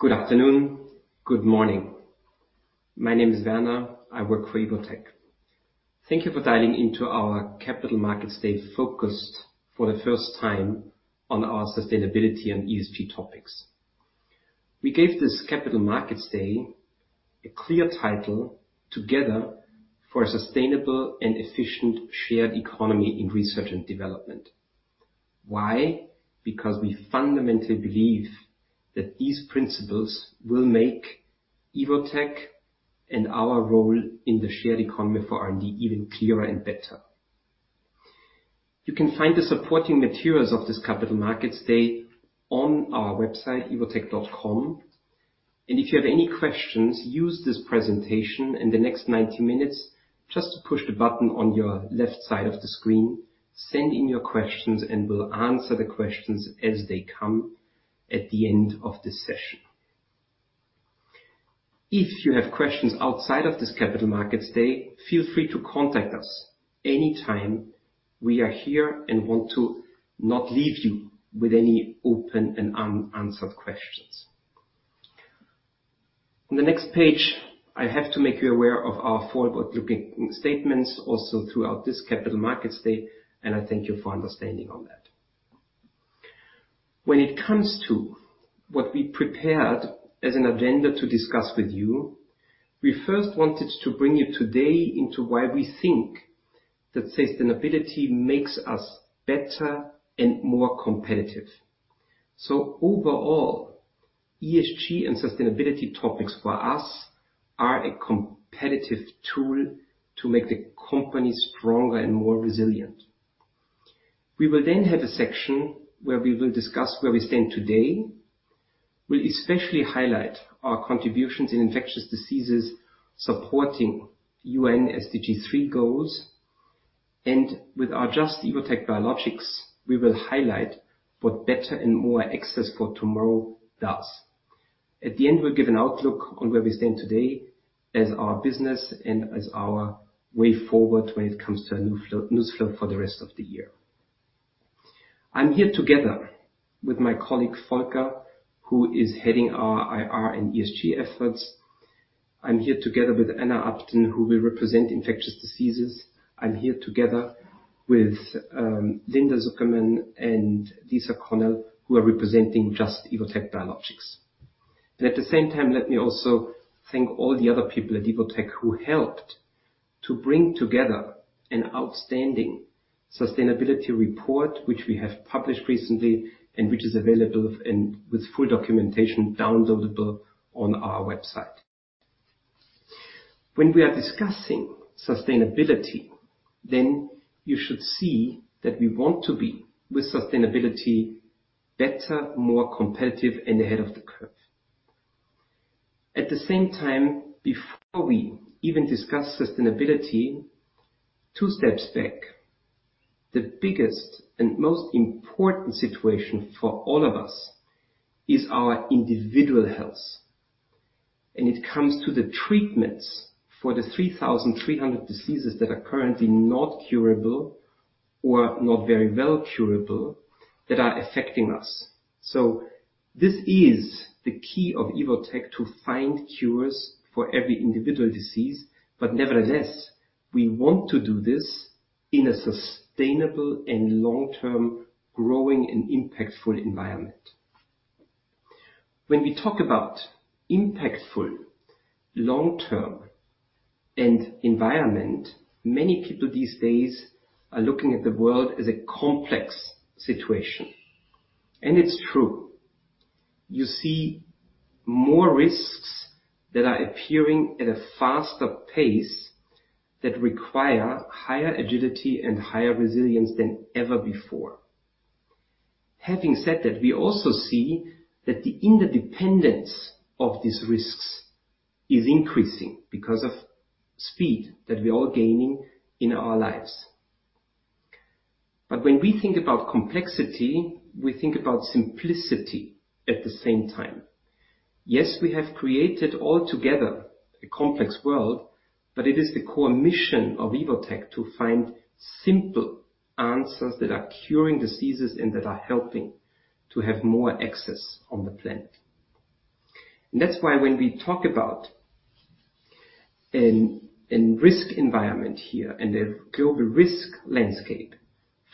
Good afternoon, good morning. My name is Werner. I work for Evotec. Thank you for dialing into our Capital Markets Day, focused for the first time on our sustainability and ESG topics. We gave this Capital Markets Day a clear title: Together for a sustainable and efficient shared economy in research and development. Why? We fundamentally believe that these principles will make Evotec and our role in the shared economy for R&D even clearer and better. You can find the supporting materials of this Capital Markets Day on our website, evotec.com. If you have any questions, use this presentation in the next 90 minutes. Just push the button on your left side of the screen, send in your questions, and we'll answer the questions as they come at the end of this session. If you have questions outside of this Capital Markets Day, feel free to contact us anytime. We are here and want to not leave you with any open and unanswered questions. On the next page, I have to make you aware of our forward-looking statements, also throughout this Capital Markets Day, and I thank you for understanding on that. When it comes to what we prepared as an agenda to discuss with you, we first wanted to bring you today into why we think that sustainability makes us better and more competitive. Overall, ESG and sustainability topics for us are a competitive tool to make the company stronger and more resilient. We will have a section where we will discuss where we stand today. We'll especially highlight our contributions in infectious diseases, supporting UN SDG 3 goals, and with our Just – Evotec Biologics, we will highlight what better and more access for tomorrow does. At the end, we'll give an outlook on where we stand today as our business and as our way forward when it comes to news flow for the rest of the year. I'm here together with my colleague, Volker, who is heading our IR and ESG efforts. I'm here together with Anna Upton, who will represent infectious diseases. I'm here together with Linda Zuckerman and Lisa Connell, who are representing Just – Evotec Biologics. At the same time, let me also thank all the other people at Evotec who helped to bring together an outstanding sustainability report, which we have published recently, and which is available and with full documentation, downloadable on our website. We are discussing sustainability, you should see that we want to be, with sustainability, better, more competitive, and ahead of the curve. At the same time, before we even discuss sustainability, two steps back. The biggest and most important situation for all of us is our individual health, and it comes to the treatments for the 3,300 diseases that are currently not curable or not very well curable, that are affecting us. This is the key of Evotec to find cures for every individual disease, but nevertheless, we want to do this in a sustainable and long-term, growing and impactful environment. When we talk about impactful, long-term and environment, many people these days are looking at the world as a complex situation. It's true. You see more risks that are appearing at a faster pace, that require higher agility and higher resilience than ever before. Having said that, we also see that the interdependence of these risks is increasing because of speed that we are all gaining in our lives. When we think about complexity, we think about simplicity at the same time. Yes, we have created altogether a complex world, it is the core mission of Evotec to find simple answers that are curing diseases and that are helping to have more access on the planet. That's why when we talk about a risk environment here and a global risk landscape,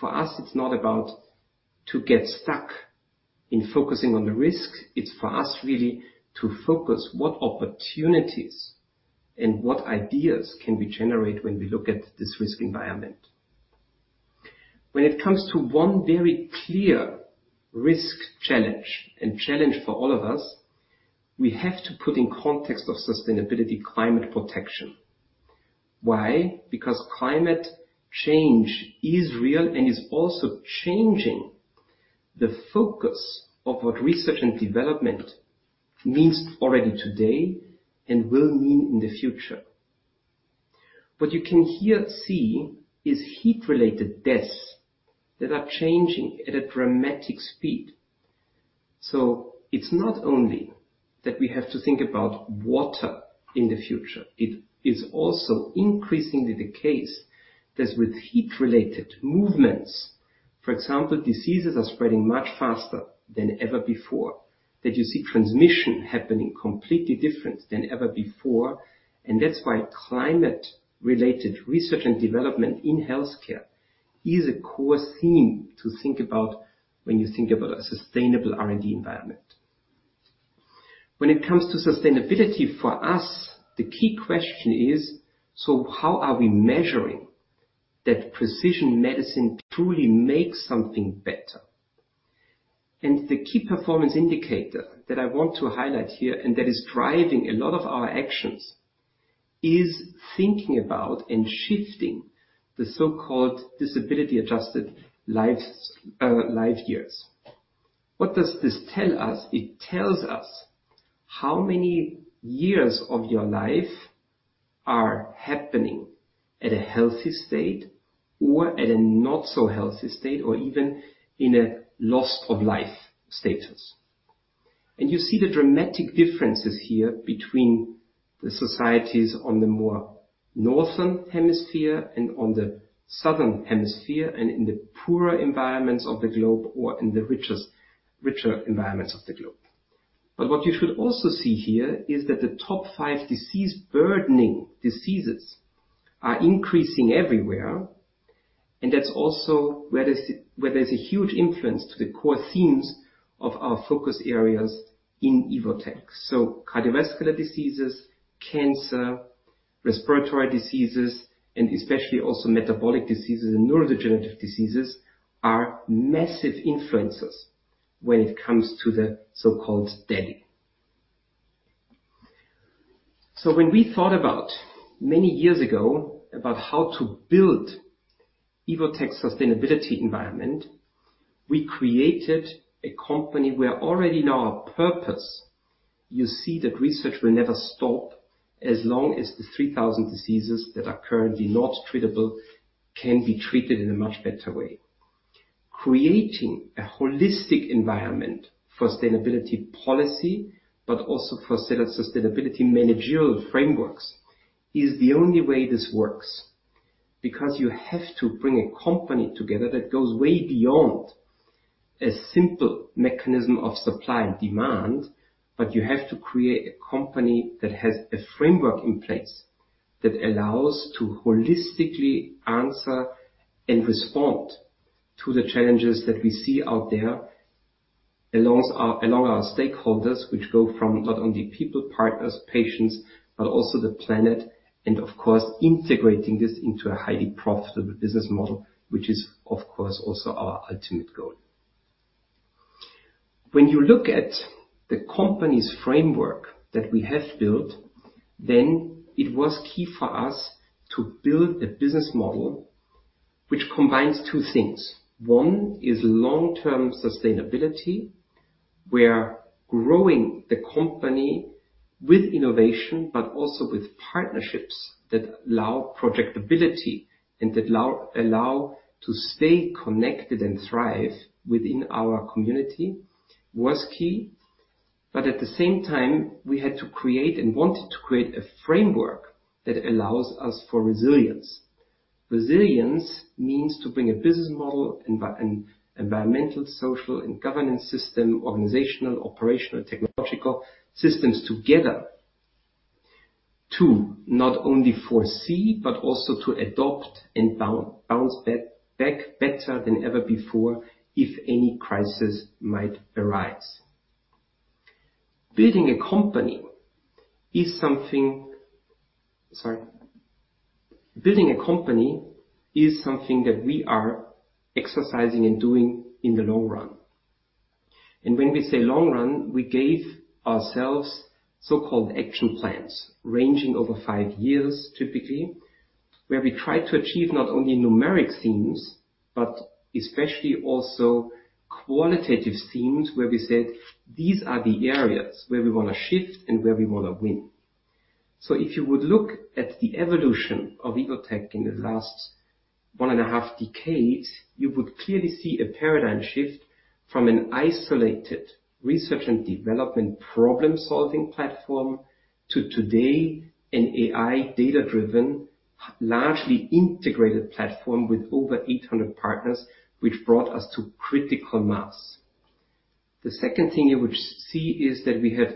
for us it's not about to get stuck in focusing on the risks. It's for us really to focus what opportunities and what ideas can we generate when we look at this risk environment. When it comes to one very clear risk, challenge for all of us, we have to put in context of sustainability, climate protection. Why? Because climate change is real and is also changing the focus of what research and development means already today and will mean in the future. What you can here see is heat-related deaths that are changing at a dramatic speed. So it's not only that we have to think about water in the future. It is also increasingly the case that with heat-related movements, for example, diseases are spreading much faster than ever before, that you see transmission happening completely different than ever before. That's why climate-related research and development in healthcare is a core theme to think about when you think about a sustainable R&D environment. When it comes to sustainability, for us, the key question is: how are we measuring that precision medicine truly makes something better? The key performance indicator that I want to highlight here, and that is driving a lot of our actions, is thinking about and shifting the so-called disability-adjusted life years. What does this tell us? It tells us how many years of your life are happening at a healthy state or at a not so healthy state, or even in a loss of life status. You see the dramatic differences here between the societies on the more northern hemisphere and on the southern hemisphere, and in the poorer environments of the globe or in the richest environments of the globe. What you should also see here is that the top five disease-burdening diseases are increasing everywhere, and that's also where there's a huge influence to the core themes of our focus areas in Evotec. Cardiovascular diseases, cancer, respiratory diseases, and especially also metabolic diseases and neurodegenerative diseases, are massive influences when it comes to the so-called DALY. When we thought about, many years ago, about how to build Evotec's sustainability environment, we created a company where already in our purpose, you see that research will never stop as long as the 3,000 diseases that are currently not treatable can be treated in a much better way. Creating a holistic environment for sustainability policy, but also for set of sustainability managerial frameworks, is the only way this works. Because you have to bring a company together that goes way beyond a simple mechanism of supply and demand, but you have to create a company that has a framework in place that allows to holistically answer and respond to the challenges that we see out there, along our stakeholders, which go from not only people, partners, patients, but also the planet, and of course, integrating this into a highly profitable business model, which is, of course, also our ultimate goal. When you look at the company's framework that we have built, then it was key for us to build a business model which combines two things. One is long-term sustainability, where growing the company with innovation but also with partnerships that allow projectability and that allow to stay connected and thrive within our community, was key. At the same time, we had to create and wanted to create a framework that allows us for resilience. Resilience means to bring a business model, environmental, social, and governance system, organizational, operational, technological systems together to not only foresee, but also to adopt and bounce back better than ever before if any crisis might arise. Building a company is something. Sorry. Building a company is something that we are exercising and doing in the long run. When we say long run, we gave ourselves so-called action plans, ranging over five years, typically, where we tried to achieve not only numeric themes, but especially also qualitative themes, where we said, "These are the areas where we want to shift and where we want to win." If you would look at the evolution of Evotec in the last 1.5 decades, you would clearly see a paradigm shift from an isolated research and development problem-solving platform, to today, an AI data-driven, largely integrated platform with over 800 partners, which brought us to critical mass. The second thing you would see is that we have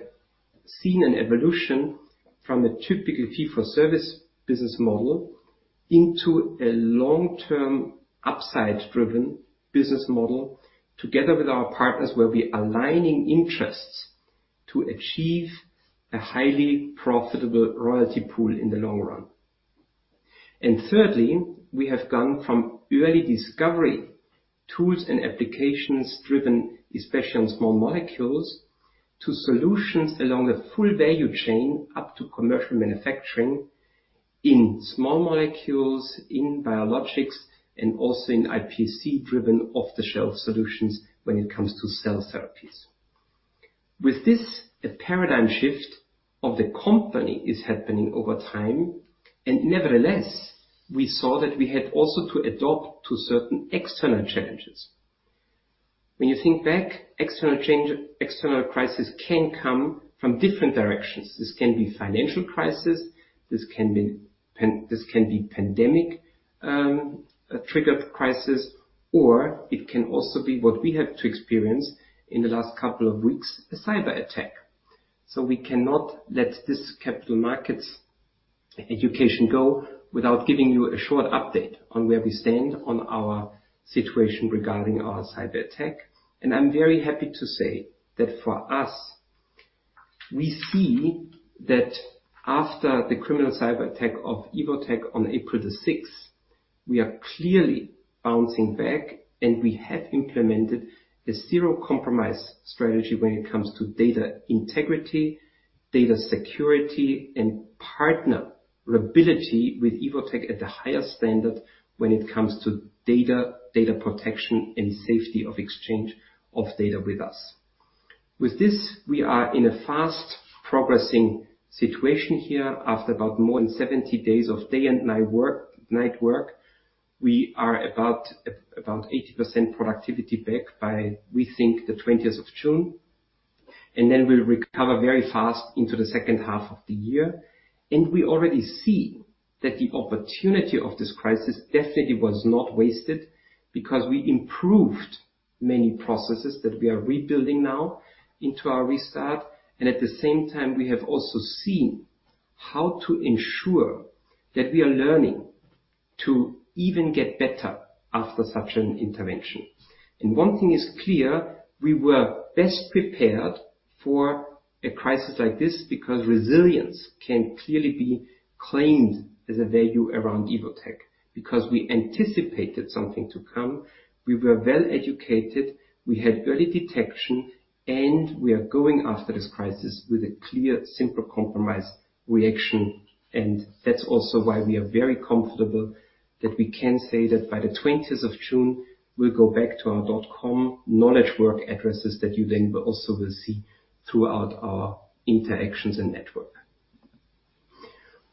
seen an evolution from a typical fee-for-service business model into a long-term, upside-driven business model, together with our partners, where we're aligning interests to achieve a highly profitable royalty pool in the long run. Thirdly, we have gone from early discovery tools and applications driven especially on small molecules, to solutions along the full value chain up to commercial manufacturing in small molecules, in biologics, and also in iPSC-driven off-the-shelf solutions when it comes to cell therapies. With this, a paradigm shift of the company is happening over time, and nevertheless, we saw that we had also to adopt to certain external challenges. When you think back, external change, external crisis can come from different directions. This can be financial crisis, this can be pandemic, a triggered crisis, or it can also be what we have to experience in the last couple of weeks, a cyberattack. We cannot let this capital markets education go without giving you a short update on where we stand on our situation regarding our cyberattack. I'm very happy to say that for us, we see that after the criminal cyberattack of Evotec on April the 6th, we are clearly bouncing back, and we have implemented a zero-compromise strategy when it comes to data integrity, data security, and partner reliability with Evotec at the highest standard when it comes to data protection, and safety of exchange of data with us. With this, we are in a fast-progressing situation here. After about more than 70 days of day and night work, we are about 80% productivity back by, we think, the 20th of June, and then we'll recover very fast into the second half of the year. We already see that the opportunity of this crisis definitely was not wasted, because we improved many processes that we are rebuilding now into our restart. At the same time, we have also seen how to ensure that we are learning to even get better after such an intervention. One thing is clear, we were best prepared for a crisis like this, because resilience can clearly be claimed as a value around Evotec. We anticipated something to come, we were well educated, we had early detection, and we are going after this crisis with a clear, simple, compromised reaction. That's also why we are very comfortable that we can say that by the 20th of June, we'll go back to our dotcom knowledge work addresses that you then also will see throughout our interactions and network.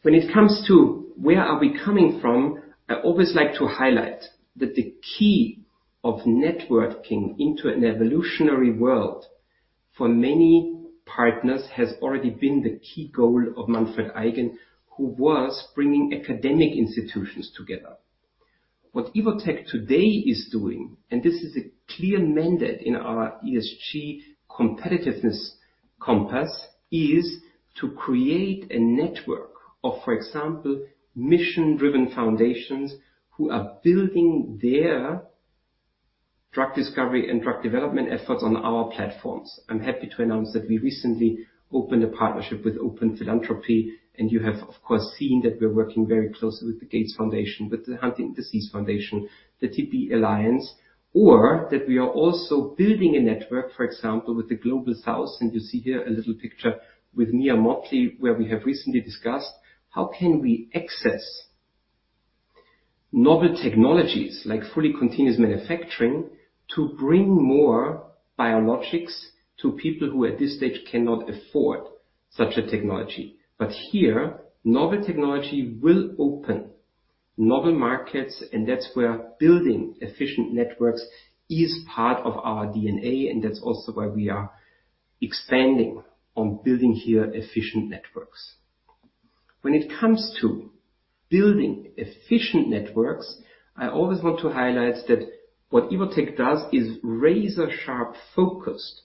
When it comes to where are we coming from, I always like to highlight that the key of networking into an evolutionary world for many partners has already been the key goal of Manfred Eigen, who was bringing academic institutions together. What Evotec today is doing, and this is a clear mandate in our ESG competitiveness compass, is to create a network of, for example, mission-driven foundations who are building their drug discovery and drug development efforts on our platforms. I'm happy to announce that we recently opened a partnership with Open Philanthropy, and you have, of course, seen that we're working very closely with the Gates Foundation, with the Huntington's Disease Foundation, the TB Alliance, or that we are also building a network, for example, with the Global South. You see here a little picture with Mia Mottley, where we have recently discussed how can we access novel technologies like fully continuous manufacturing, to bring more biologics to people who, at this stage, cannot afford such a technology. Here, novel technology will open novel markets, and that's where building efficient networks is part of our DNA, and that's also why we are expanding on building here efficient networks. When it comes to building efficient networks, I always want to highlight that what Evotec does is razor-sharp, focused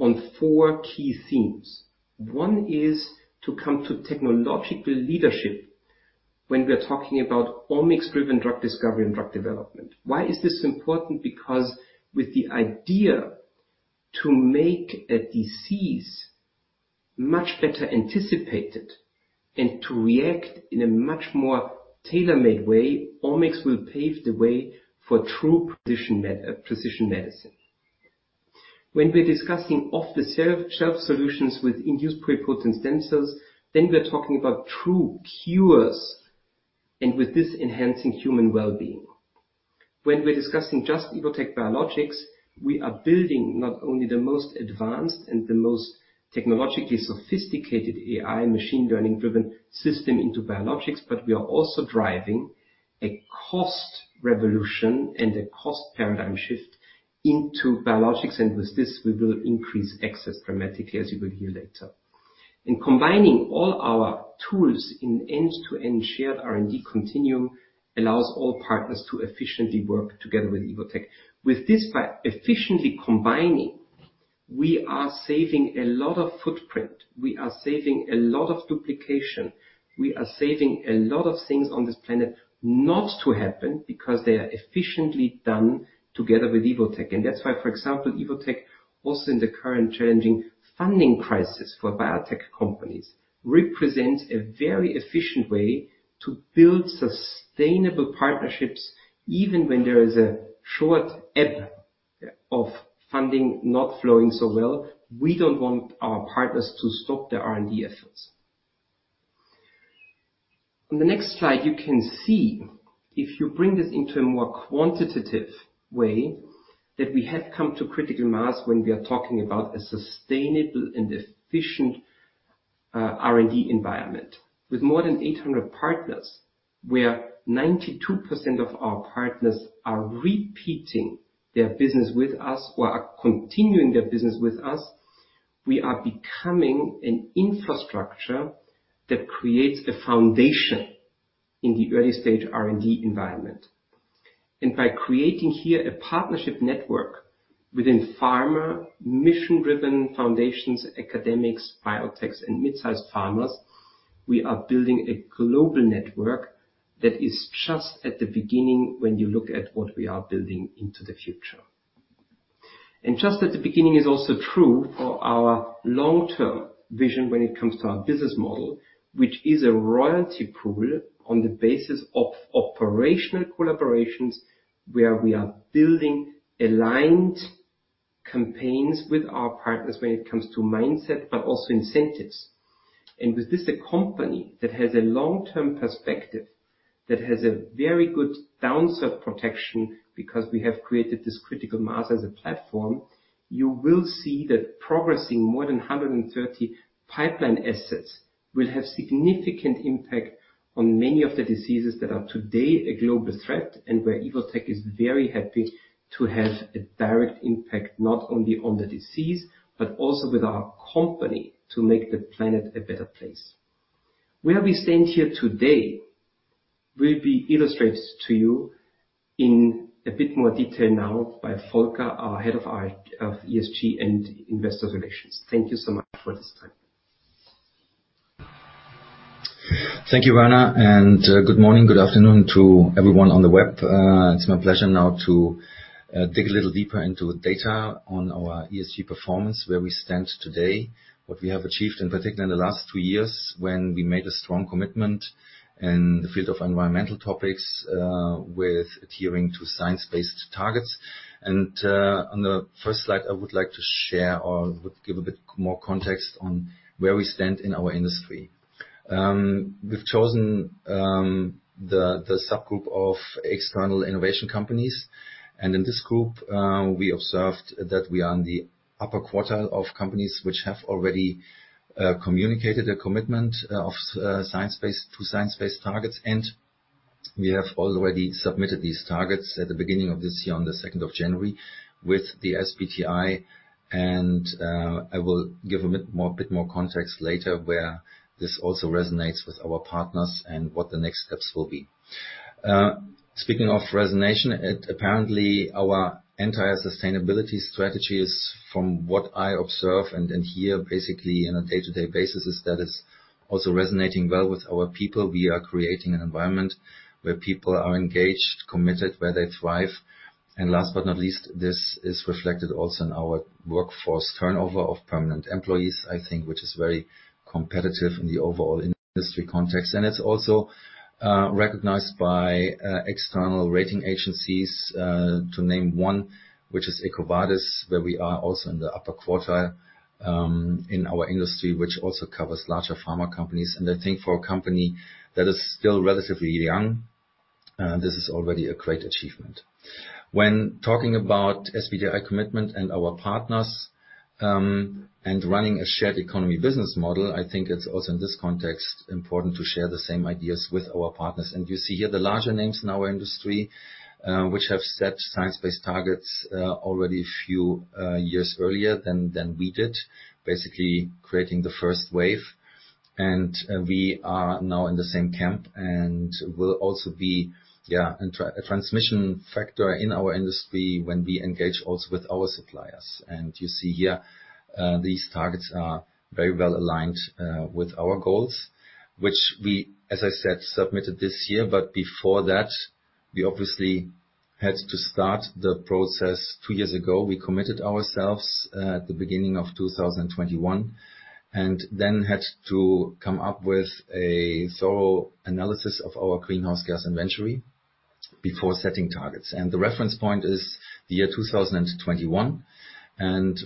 on four key themes. One is to come to technological leadership when we are talking about omics-driven drug discovery and drug development. Why is this important? With the idea to make a disease much better anticipated and to react in a much more tailor-made way, omics will pave the way for true precision med, precision medicine. When we're discussing off-the-shelf solutions with induced pluripotent stem cells, then we're talking about true cures, and with this, enhancing human well-being. When we're discussing Just – Evotec Biologics, we are building not only the most advanced and the most technologically sophisticated AI machine learning-driven system into biologics, but we are also driving a cost revolution and a cost paradigm shift into biologics. With this, we will increase access dramatically, as you will hear later. In combining all our tools in end-to-end shared R&D continuum, allows all partners to efficiently work together with Evotec. With this, by efficiently combining, we are saving a lot of footprint, we are saving a lot of duplication, we are saving a lot of things on this planet not to happen because they are efficiently done together with Evotec. That's why, for example, Evotec, also in the current challenging funding crisis for biotech companies, represents a very efficient way to build sustainable partnerships, even when there is a short ebb of funding not flowing so well. We don't want our partners to stop their R&D efforts. On the next slide, you can see, if you bring this into a more quantitative way, that we have come to critical mass when we are talking about a sustainable and efficient R&D environment. With more than 800 partners, where 92% of our partners are repeating their business with us or are continuing their business with us, we are becoming an infrastructure that creates a foundation in the early-stage R&D environment. By creating here a partnership network within pharma, mission-driven foundations, academics, biotechs, and mid-sized pharmas, we are building a global network that is just at the beginning when you look at what we are building into the future. Just at the beginning is also true for our long-term vision when it comes to our business model, which is a royalty pool on the basis of operational collaborations, where we are building aligned campaigns with our partners when it comes to mindset, but also incentives. With this, a company that has a long-term perspective, that has a very good downsell protection, because we have created this critical mass as a platform, you will see that progressing more than 130 pipeline assets will have significant impact on many of the diseases that are today a global threat, and where Evotec is very happy to have a direct impact, not only on the disease, but also with our company, to make the planet a better place. Where we stand here today will be illustrated to you in a bit more detail now by Volker, our Head of ESG and Investor Relations. Thank you so much for this time. Thank you, Werner. Good morning, good afternoon to everyone on the web. It's my pleasure now to dig a little deeper into the data on our ESG performance, where we stand today, what we have achieved, and particularly in the last two years, when we made a strong commitment in the field of environmental topics, with adhering to science-based targets. On the first slide, I would like to share or would give a bit more context on where we stand in our industry. We've chosen the subgroup of external innovation companies, and in this group, we observed that we are in the upper quartile of companies which have already communicated a commitment to science-based targets. We have already submitted these targets at the beginning of this year, on the 2nd of January, with the SBTi, I will give a bit more context later, where this also resonates with our partners and what the next steps will be. Speaking of resonation, it apparently our entire sustainability strategy is from what I observe and hear, basically, on a day-to-day basis, is that it's also resonating well with our people. We are creating an environment where people are engaged, committed, where they thrive. Last but not least, this is reflected also in our workforce turnover of permanent employees, I think, which is very competitive in the overall industry context. It's also recognized by external rating agencies, to name one, which is EcoVadis, where we are also in the upper quartile, in our industry, which also covers larger pharma companies. I think for a company that is still relatively young, this is already a great achievement. When talking about SBTi commitment and our partners, and running a shared economy business model, I think it's also, in this context, important to share the same ideas with our partners. You see here the larger names in our industry, which have set science-based targets, already a few years earlier than we did, basically creating the first wave. We are now in the same camp and will also be a transmission factor in our industry when we engage also with our suppliers. You see here, these targets are very well aligned with our goals, which we, as I said, submitted this year. Before that, we obviously had to start the process two years ago. We committed ourselves at the beginning of 2021, had to come up with a thorough analysis of our greenhouse gas inventory before setting targets. The reference point is the year 2021,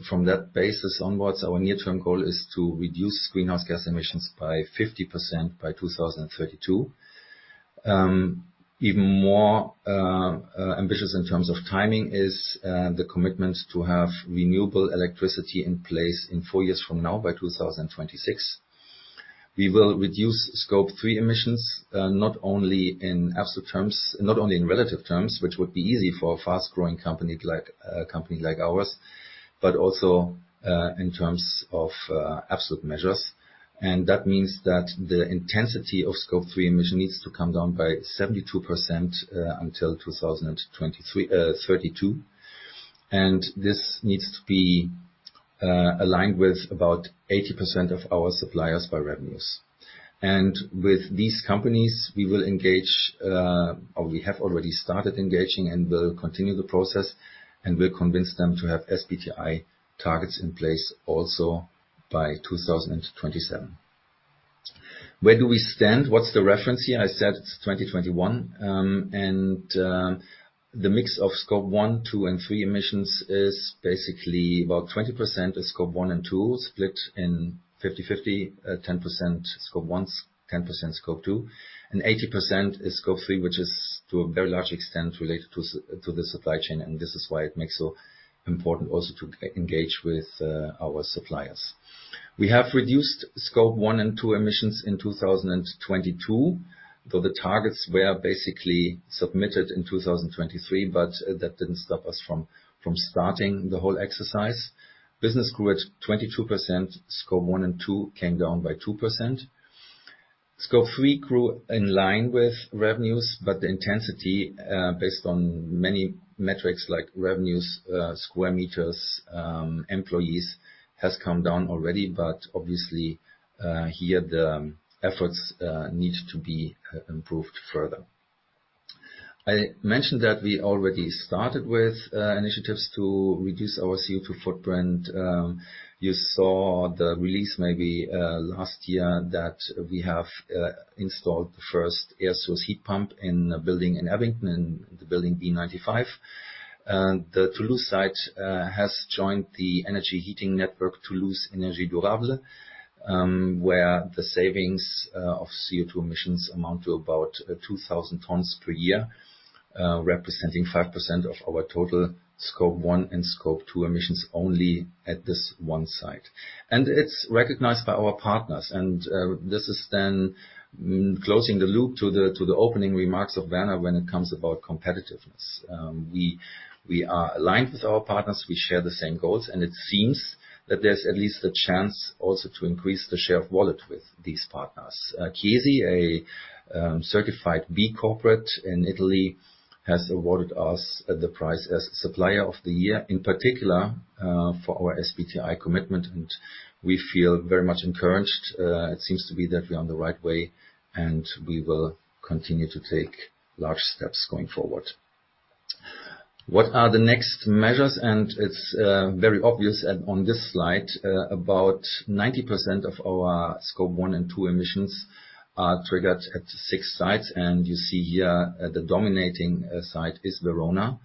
from that basis onwards, our near-term goal is to reduce greenhouse gas emissions by 50% by 2032. Even more ambitious in terms of timing is the commitment to have renewable electricity in place in four years from now, by 2026. We will reduce Scope 3 emissions, not only in absolute terms, not only in relative terms, which would be easy for a fast-growing company like ours, but also in terms of absolute measures. That means that the intensity of Scope 3 emission needs to come down by 72% until 2032. This needs to be aligned with about 80% of our suppliers by revenues. With these companies, we will engage, or we have already started engaging and will continue the process, and we'll convince them to have SBTi targets in place also by 2027. Where do we stand? What's the reference here? I said it's 2021, and the mix of Scope 1, 2, and 3 emissions is basically about 20% is Scope 1 and 2, split in 50/50, 10% Scope 1, 10% Scope 2, and 80% is Scope 3, which is to a very large extent related to the supply chain. This is why it makes so important also to engage with our suppliers. We have reduced Scope 1 and 2 emissions in 2022, though the targets were basically submitted in 2023. That didn't stop us from starting the whole exercise. Business grew at 22%. Scope 1 and 2 came down by 2%. Scope 3 grew in line with revenues, the intensity, based on many metrics like revenues, square meters, employees, has come down already, obviously, here the efforts need to be improved further. I mentioned that we already started with initiatives to reduce our CO2 footprint. You saw the release, maybe, last year, that we have installed the first air source heat pump in a building in Abingdon, in the building B95. The Toulouse site has joined the energy heating network, Toulouse Energie Durable, where the savings of CO2 emissions amount to about 2,000 tons per year, representing 5% of our total Scope 1 and Scope 2 emissions only at this one site. It's recognized by our partners. This is closing the loop to the opening remarks of Werner when it comes about competitiveness. We are aligned with our partners. We share the same goals. It seems that there's at least a chance also to increase the share of wallet with these partners. Chiesi, a certified B corporate in Italy, has awarded us the prize as Supplier of the Year, in particular, for our SBTi commitment. We feel very much encouraged. It seems to be that we are on the right way. We will continue to take large steps going forward. What are the next measures? It's very obvious. On this slide, about 90% of our Scope 1 and 2 emissions are triggered at six sites. You see here, the dominating site is Verona.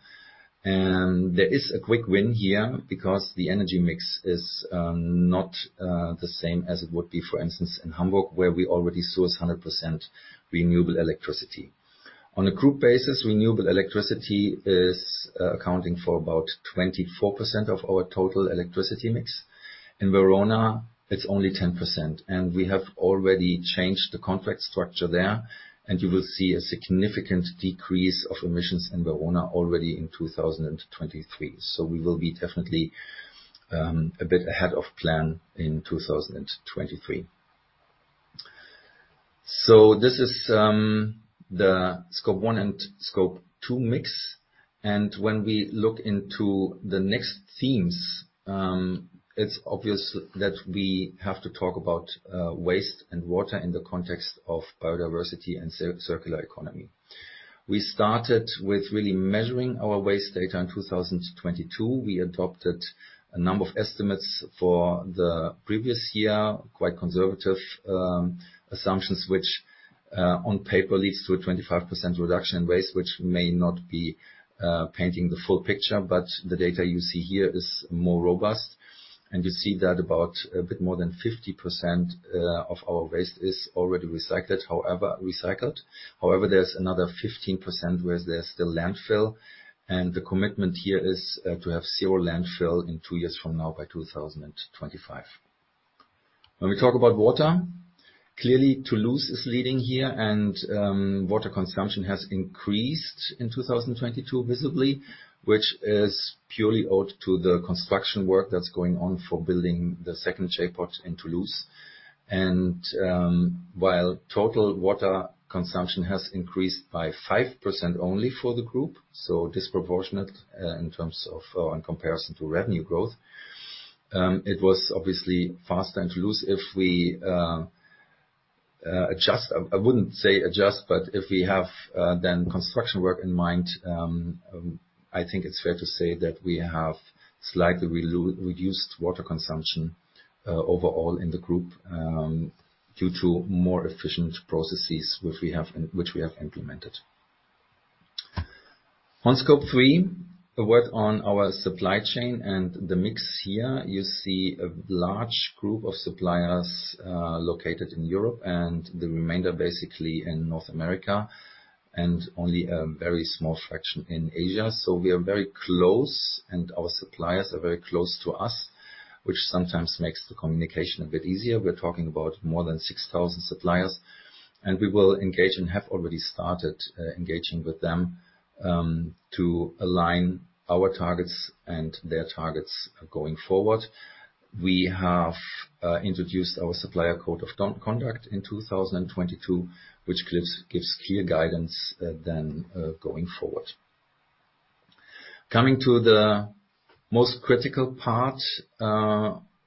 There is a quick win here because the energy mix is not the same as it would be, for instance, in Hamburg, where we already source 100% renewable electricity. On a group basis, renewable electricity is accounting for about 24% of our total electricity mix. In Verona, it's only 10%. We have already changed the contract structure there. You will see a significant decrease of emissions in Verona already in 2023. We will be definitely a bit ahead of plan in 2023. This is the Scope 1 and Scope 2 mix, when we look into the next themes, it's obvious that we have to talk about waste and water in the context of biodiversity and circular economy. We started with really measuring our waste data in 2022. We adopted a number of estimates for the previous year. Quite conservative assumptions, which on paper, leads to a 25% reduction in waste, which may not be painting the full picture, but the data you see here is more robust. You see that about a bit more than 50% of our waste is already recycled. However, there's another 15% where there's still landfill, the commitment here is to have zero landfill in two years from now by 2025. When we talk about water, clearly, Toulouse is leading here, water consumption has increased in 2022 visibly, which is purely owed to the construction work that's going on for building the second J.POD in Toulouse. While total water consumption has increased by 5% only for the group, so disproportionate in terms of in comparison to revenue growth, it was obviously faster in Toulouse. If we adjust, I wouldn't say adjust, but if we have then construction work in mind, I think it's fair to say that we have slightly reduced water consumption overall in the group due to more efficient processes, which we have implemented. On Scope 3, a word on our supply chain and the mix here. You see a large group of suppliers, located in Europe and the remainder basically in North America, and only a very small fraction in Asia. We are very close, and our suppliers are very close to us, which sometimes makes the communication a bit easier. We're talking about more than 6,000 suppliers, and we will engage and have already started engaging with them to align our targets and their targets going forward. We have introduced our supplier code of conduct in 2022, which gives clear guidance then going forward. Coming to the most critical part,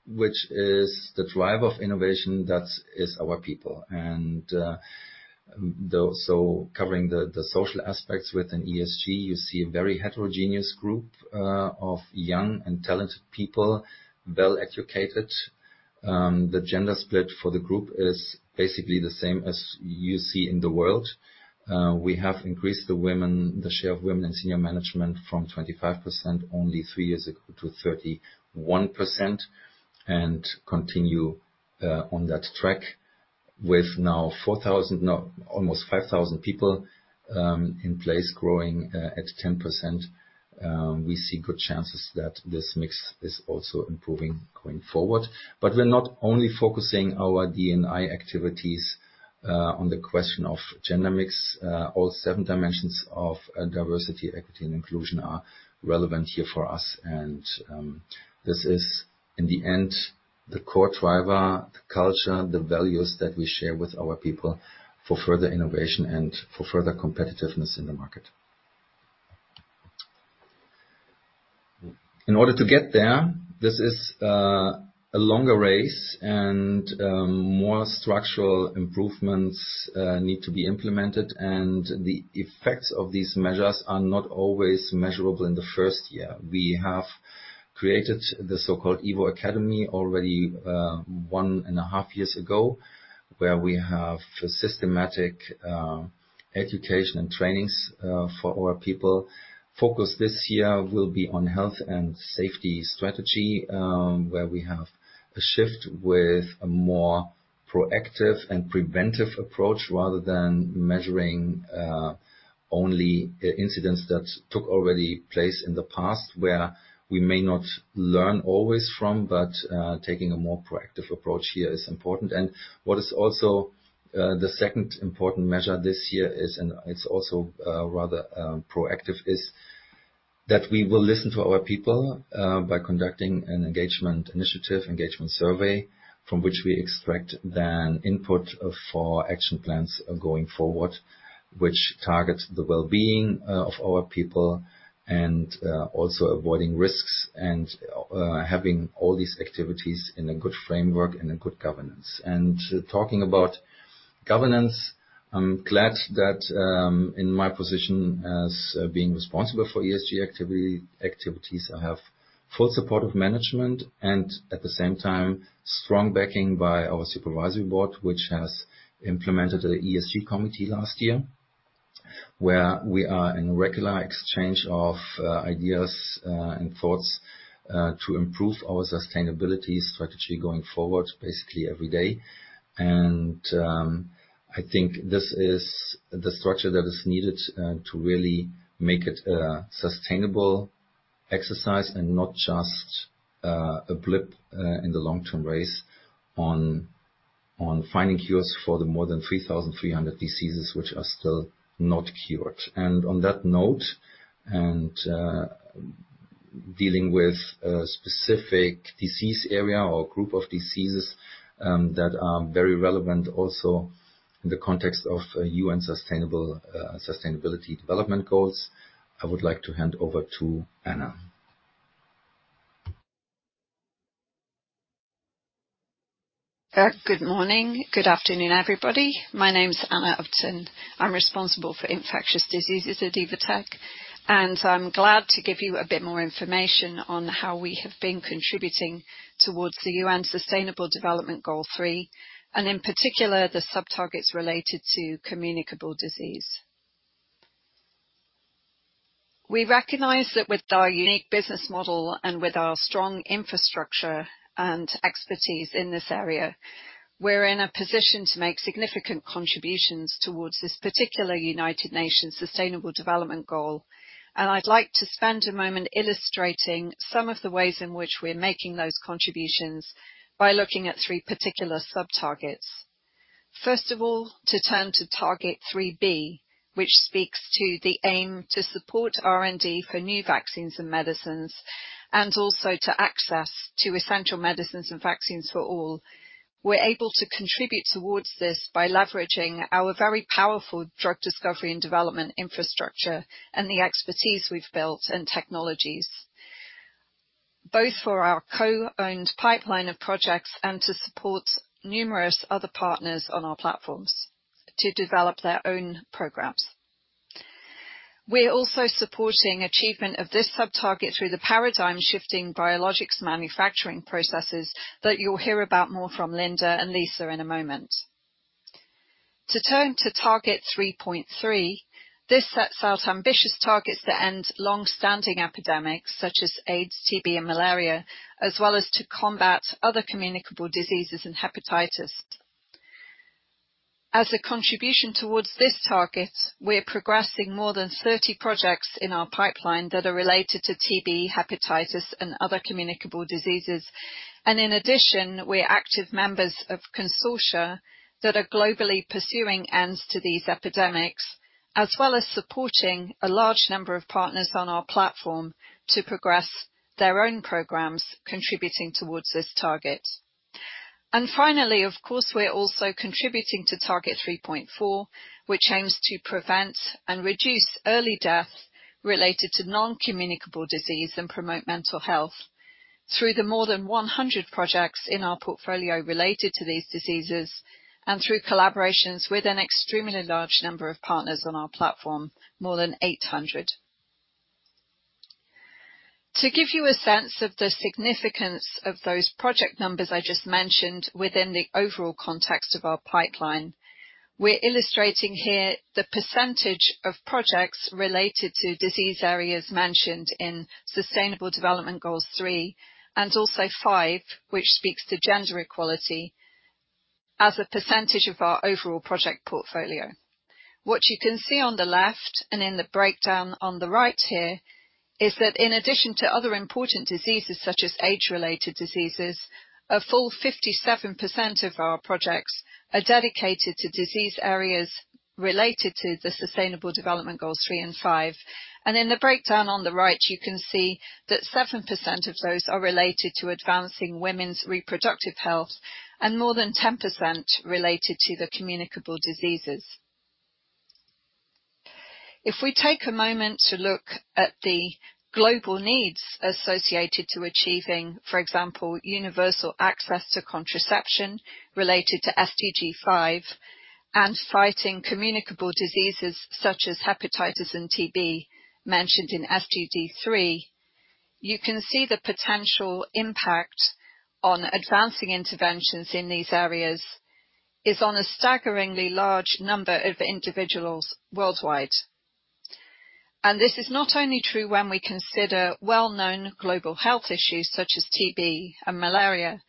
which is the driver of innovation, that is our people. So covering the social aspects within ESG, you see a very heterogeneous group of young and talented people, well-educated. The gender split for the group is basically the same as you see in the world. We have increased the share of women in senior management from 25%, only three years ago, to 31%, and continue on that track with now almost 5,000 people in place, growing at 10%. We see good chances that this mix is also improving going forward. We're not only focusing our DNI activities on the question of gender mix. All seven dimensions of diversity, equity, and inclusion are relevant here for us, and this is, in the end, the core driver, the culture, the values that we share with our people for further innovation and for further competitiveness in the market. In order to get there, this is a longer race and more structural improvements need to be implemented, and the effects of these measures are not always measurable in the first year. We have created the so-called Evo Academy already one and a half years ago, where we have systematic education and trainings for our people. Focus this year will be on health and safety strategy, where we have a shift with a more proactive and preventive approach, rather than measuring only incidents that took already place in the past, where we may not learn always from, but taking a more proactive approach here is important. What is also the second important measure this year is, and it's also rather proactive, is that we will listen to our people by conducting an engagement survey, from which we expect then input for action plans going forward, which targets the well-being of our people and also avoiding risks and having all these activities in a good framework and a good governance. Talking about governance, I'm glad that in my position as being responsible for ESG activities, I have full support of management and at the same time, strong backing by our supervisory board, which has implemented an ESG committee last year, where we are in regular exchange of ideas and thoughts to improve our sustainability strategy going forward, basically every day. I think this is the structure that is needed to really make it a sustainable exercise and not just a blip in the long-term race on finding cures for the more than 3,300 diseases which are still not cured. On that note, dealing with a specific disease area or group of diseases that are very relevant also in the context of UN Sustainable Development Goals, I would like to hand over to Anna. Good morning. Good afternoon, everybody. My name is Anna Upton. I'm responsible for Infectious Diseases at Evotec. I'm glad to give you a bit more information on how we have been contributing towards the UN Sustainable Development Goal 3, and in particular, the sub targets related to communicable disease. We recognize that with our unique business model and with our strong infrastructure and expertise in this area, we're in a position to make significant contributions towards this particular United Nations Sustainable Development Goal. I'd like to spend a moment illustrating some of the ways in which we're making those contributions, by looking at three particular sub targets. First of all, to turn to Target 3B, which speaks to the aim to support R&D for new vaccines and medicines, and also to access to essential medicines and vaccines for all. We're able to contribute towards this by leveraging our very powerful drug discovery and development infrastructure, the expertise we've built and technologies, both for our co-owned pipeline of projects and to support numerous other partners on our platforms to develop their own programs. We're also supporting achievement of this sub target through the paradigm shifting biologics manufacturing processes, that you'll hear about more from Linda and Lisa in a moment. To turn to Target 3.3, this sets out ambitious targets to end long-standing epidemics such as AIDS, TB, and malaria, as well as to combat other communicable diseases and hepatitis. As a contribution towards this target, we're progressing more than 30 projects in our pipeline that are related to TB, hepatitis, and other communicable diseases. In addition, we're active members of consortia that are globally pursuing ends to these epidemics, as well as supporting a large number of partners on our platform to progress their own programs contributing towards this target. Finally, of course, we're also contributing to Target 3.4, which aims to prevent and reduce early death related to non-communicable disease and promote mental health. Through the more than 100 projects in our portfolio related to these diseases, and through collaborations with an extremely large number of partners on our platform, more than 800. To give you a sense of the significance of those project numbers I just mentioned within the overall context of our pipeline, we're illustrating here the percentage of projects related to disease areas mentioned in Sustainable Development Goals 3 and also 5, which speaks to gender equality as a percentage of our overall project portfolio. What you can see on the left and in the breakdown on the right here, is that in addition to other important diseases such as age-related diseases, a full 57% of our projects are dedicated to disease areas related to the Sustainable Development Goals 3 and 5. In the breakdown on the right, you can see that 7% of those are related to advancing women's reproductive health, and more than 10% related to the communicable diseases. If we take a moment to look at the global needs associated to achieving, for example, universal access to contraception related to SDG 5, and fighting communicable diseases such as hepatitis and TB, mentioned in SDG 3, you can see the potential impact on advancing interventions in these areas is on a staggeringly large number of individuals worldwide. This is not only true when we consider well-known global health issues such as TB and malaria,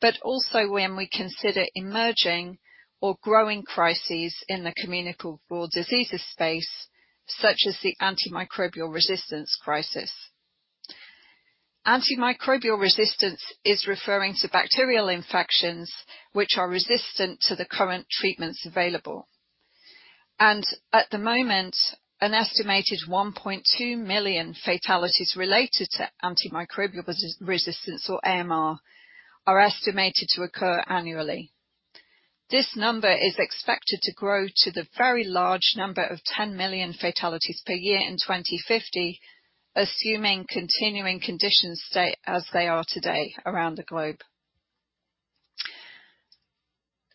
but also when we consider emerging or growing crises in the communicable diseases space, such as the antimicrobial resistance crisis. Antimicrobial resistance is referring to bacterial infections which are resistant to the current treatments available. At the moment, an estimated 1.2 million fatalities related to antimicrobial resistance or AMR, are estimated to occur annually. This number is expected to grow to the very large number of 10 million fatalities per year in 2050, assuming continuing conditions stay as they are today around the globe.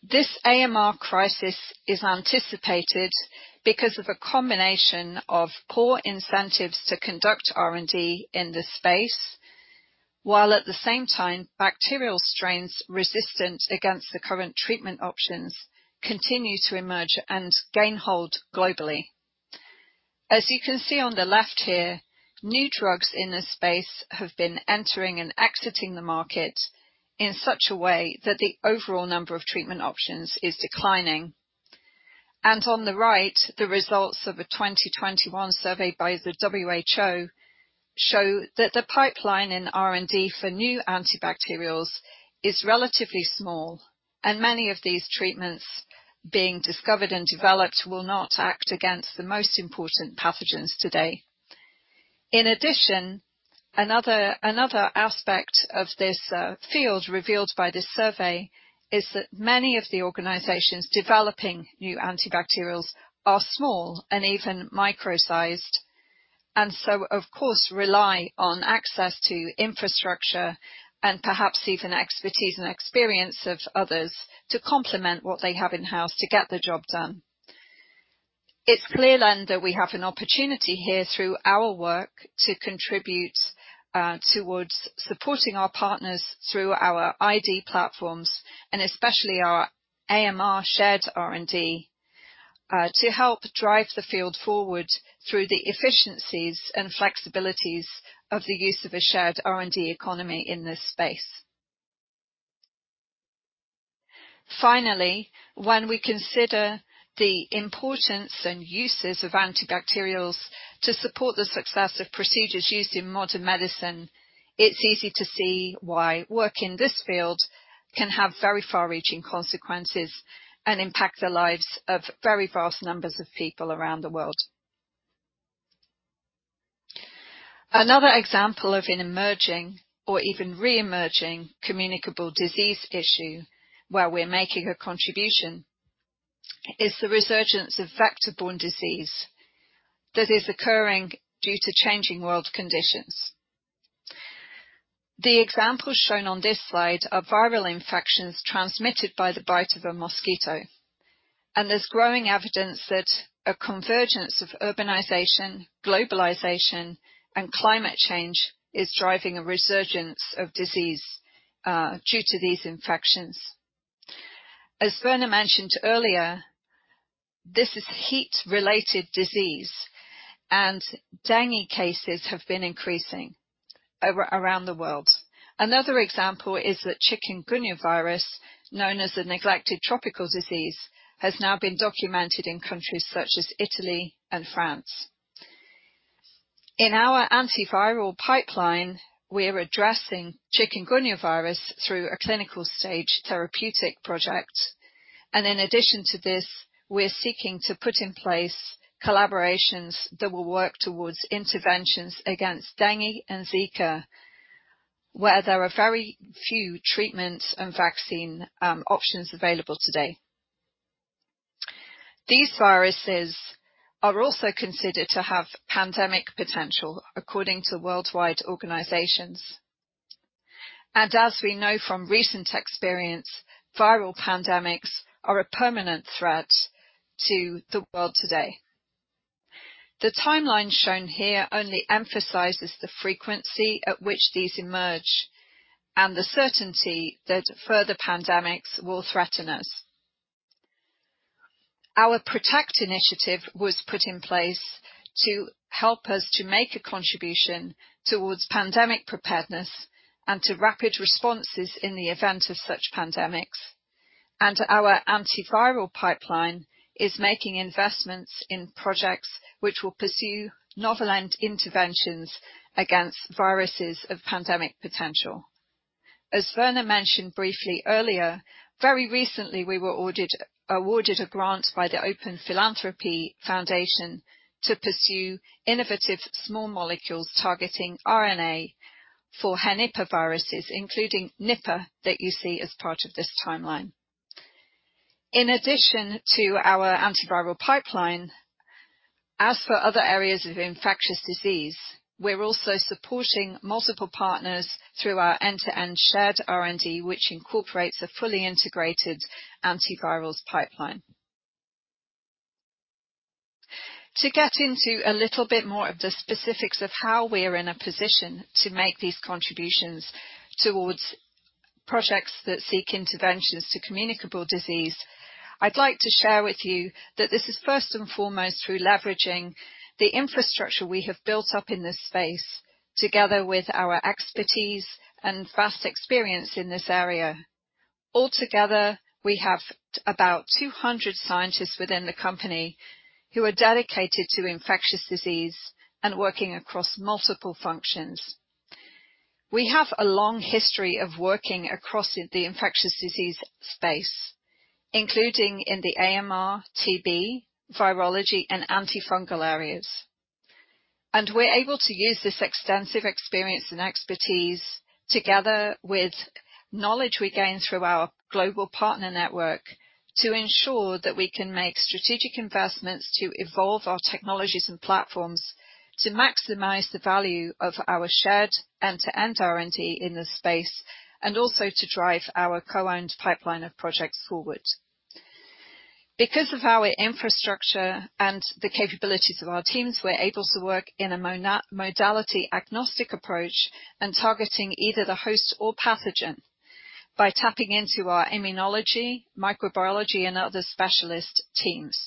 This AMR crisis is anticipated because of a combination of poor incentives to conduct R&D in this space, while at the same time, bacterial strains resistant against the current treatment options continue to emerge and gain hold globally. As you can see on the left here, new drugs in this space have been entering and exiting the market in such a way that the overall number of treatment options is declining. On the right, the results of a 2021 survey by the WHO show that the pipeline in R&D for new antibacterials is relatively small, and many of these treatments being discovered and developed will not act against the most important pathogens today. In addition, another aspect of this field revealed by this survey is that many of the organizations developing new antibacterials are small and even micro-sized, and so, of course, rely on access to infrastructure and perhaps even expertise and experience of others to complement what they have in-house to get the job done. It's clear, then, that we have an opportunity here through our work, to contribute towards supporting our partners through our ID platforms and especially our AMR shared R&D to help drive the field forward through the efficiencies and flexibilities of the use of a shared R&D economy in this space. When we consider the importance and uses of antibacterials to support the success of procedures used in modern medicine, it's easy to see why work in this field can have very far-reaching consequences and impact the lives of very vast numbers of people around the world. Another example of an emerging or even re-emerging communicable disease issue, where we're making a contribution, is the resurgence of vector-borne disease that is occurring due to changing world conditions. The examples shown on this slide are viral infections transmitted by the bite of a mosquito, there's growing evidence that a convergence of urbanization, globalization, and climate change is driving a resurgence of disease due to these infections. As Werner mentioned earlier, this is heat-related disease, dengue cases have been increasing around the world. Another example is the chikungunya virus, known as a neglected tropical disease, has now been documented in countries such as Italy and France. In our antiviral pipeline, we're addressing chikungunya virus through a clinical stage therapeutic project, and in addition to this, we're seeking to put in place collaborations that will work towards interventions against dengue and Zika, where there are very few treatments and vaccine options available today. These viruses are also considered to have pandemic potential, according to worldwide organizations. As we know from recent experience, viral pandemics are a permanent threat to the world today. The timeline shown here only emphasizes the frequency at which these emerge, and the certainty that further pandemics will threaten us. Our PRROTECT initiative was put in place to help us to make a contribution towards pandemic preparedness and to rapid responses in the event of such pandemics. Our antiviral pipeline is making investments in projects which will pursue novel and interventions against viruses of pandemic potential. As Werner mentioned briefly earlier, very recently, we were awarded a grant by the Open Philanthropy to pursue innovative small molecules targeting RNA for henipavirus, including NiPA, that you see as part of this timeline. In addition to our antiviral pipeline, as for other areas of infectious disease, we're also supporting multiple partners through our end-to-end shared R&D, which incorporates a fully integrated antivirals pipeline. To get into a little bit more of the specifics of how we are in a position to make these contributions towards projects that seek interventions to communicable disease, I'd like to share with you that this is first and foremost through leveraging the infrastructure we have built up in this space, together with our expertise and vast experience in this area. Altogether, we have about 200 scientists within the company who are dedicated to infectious disease and working across multiple functions. We have a long history of working across the infectious disease space, including in the AMR, TB, virology and antifungal areas. We're able to use this extensive experience and expertise together with knowledge we gain through our global partner network, to ensure that we can make strategic investments to evolve our technologies and platforms, to maximize the value of our shared end-to-end R&D in this space, and also to drive our co-owned pipeline of projects forward. Because of our infrastructure and the capabilities of our teams, we're able to work in a modality-agnostic approach and targeting either the host or pathogen, by tapping into our immunology, microbiology, and other specialist teams.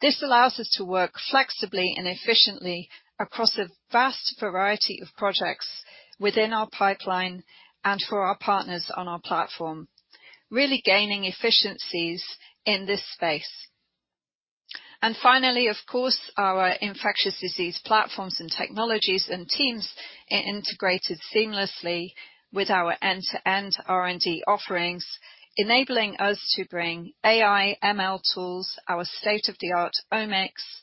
This allows us to work flexibly and efficiently across a vast variety of projects within our pipeline and for our partners on our platform, really gaining efficiencies in this space. Finally, of course, our infectious disease platforms and technologies and teams are integrated seamlessly with our end-to-end R&D offerings, enabling us to bring AI, ML tools, our state-of-the-art Omics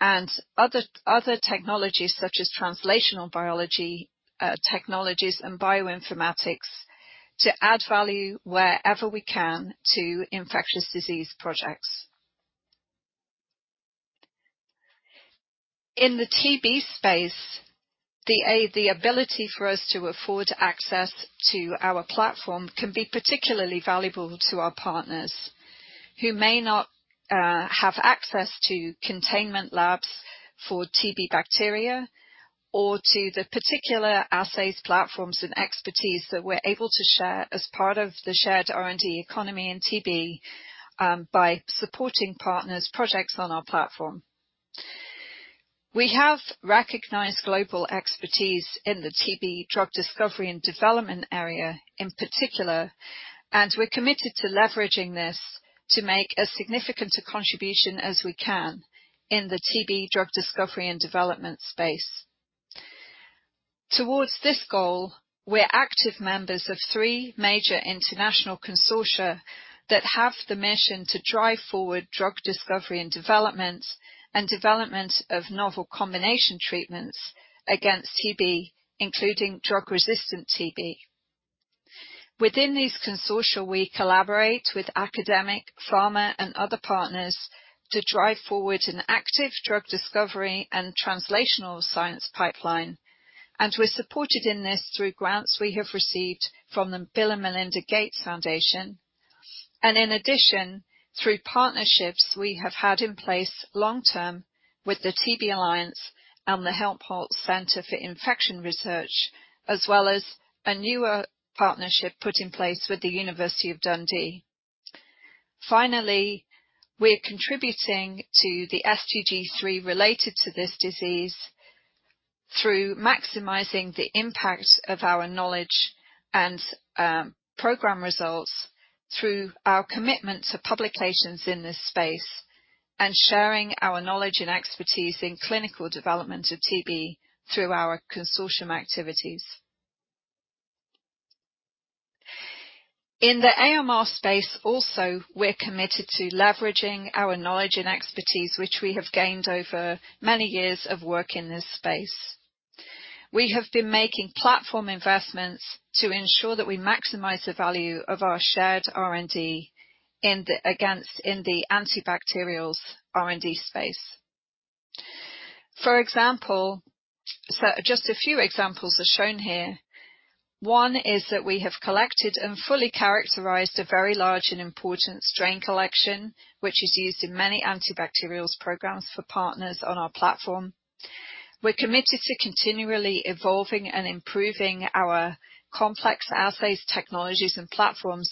and other technologies such as translational biology technologies and bioinformatics, to add value wherever we can to infectious disease projects. In the TB space, the ability for us to afford access to our platform can be particularly valuable to our partners, who may not have access to containment labs for TB bacteria or to the particular assays, platforms and expertise that we're able to share as part of the shared R&D economy in TB by supporting partners projects on our platform. We have recognized global expertise in the TB drug discovery and development area in particular, and we're committed to leveraging this to make as significant a contribution as we can in the TB drug discovery and development space. Towards this goal, we're active members of three major international consortia that have the mission to drive forward drug discovery and development, and development of novel combination treatments against TB, including drug-resistant TB. Within these consortia, we collaborate with academic, pharma and other partners to drive forward an active drug discovery and translational science pipeline. We're supported in this through grants we have received from the Bill & Melinda Gates Foundation, and in addition, through partnerships we have had in place long-term with the TB Alliance and the Helmholtz Centre for Infection Research, as well as a newer partnership put in place with the University of Dundee. Finally, we're contributing to the SDG 3 related to this disease through maximizing the impact of our knowledge and program results through our commitment to publications in this space and sharing our knowledge and expertise in clinical development of TB through our consortium activities. In the AMR space also, we're committed to leveraging our knowledge and expertise, which we have gained over many years of work in this space. We have been making platform investments to ensure that we maximize the value of our shared R&D in the antibacterials R&D space. For example, just a few examples are shown here. One is that we have collected and fully characterized a very large and important strain collection, which is used in many antibacterials programs for partners on our platform. We're committed to continually evolving and improving our complex assays, technologies, and platforms,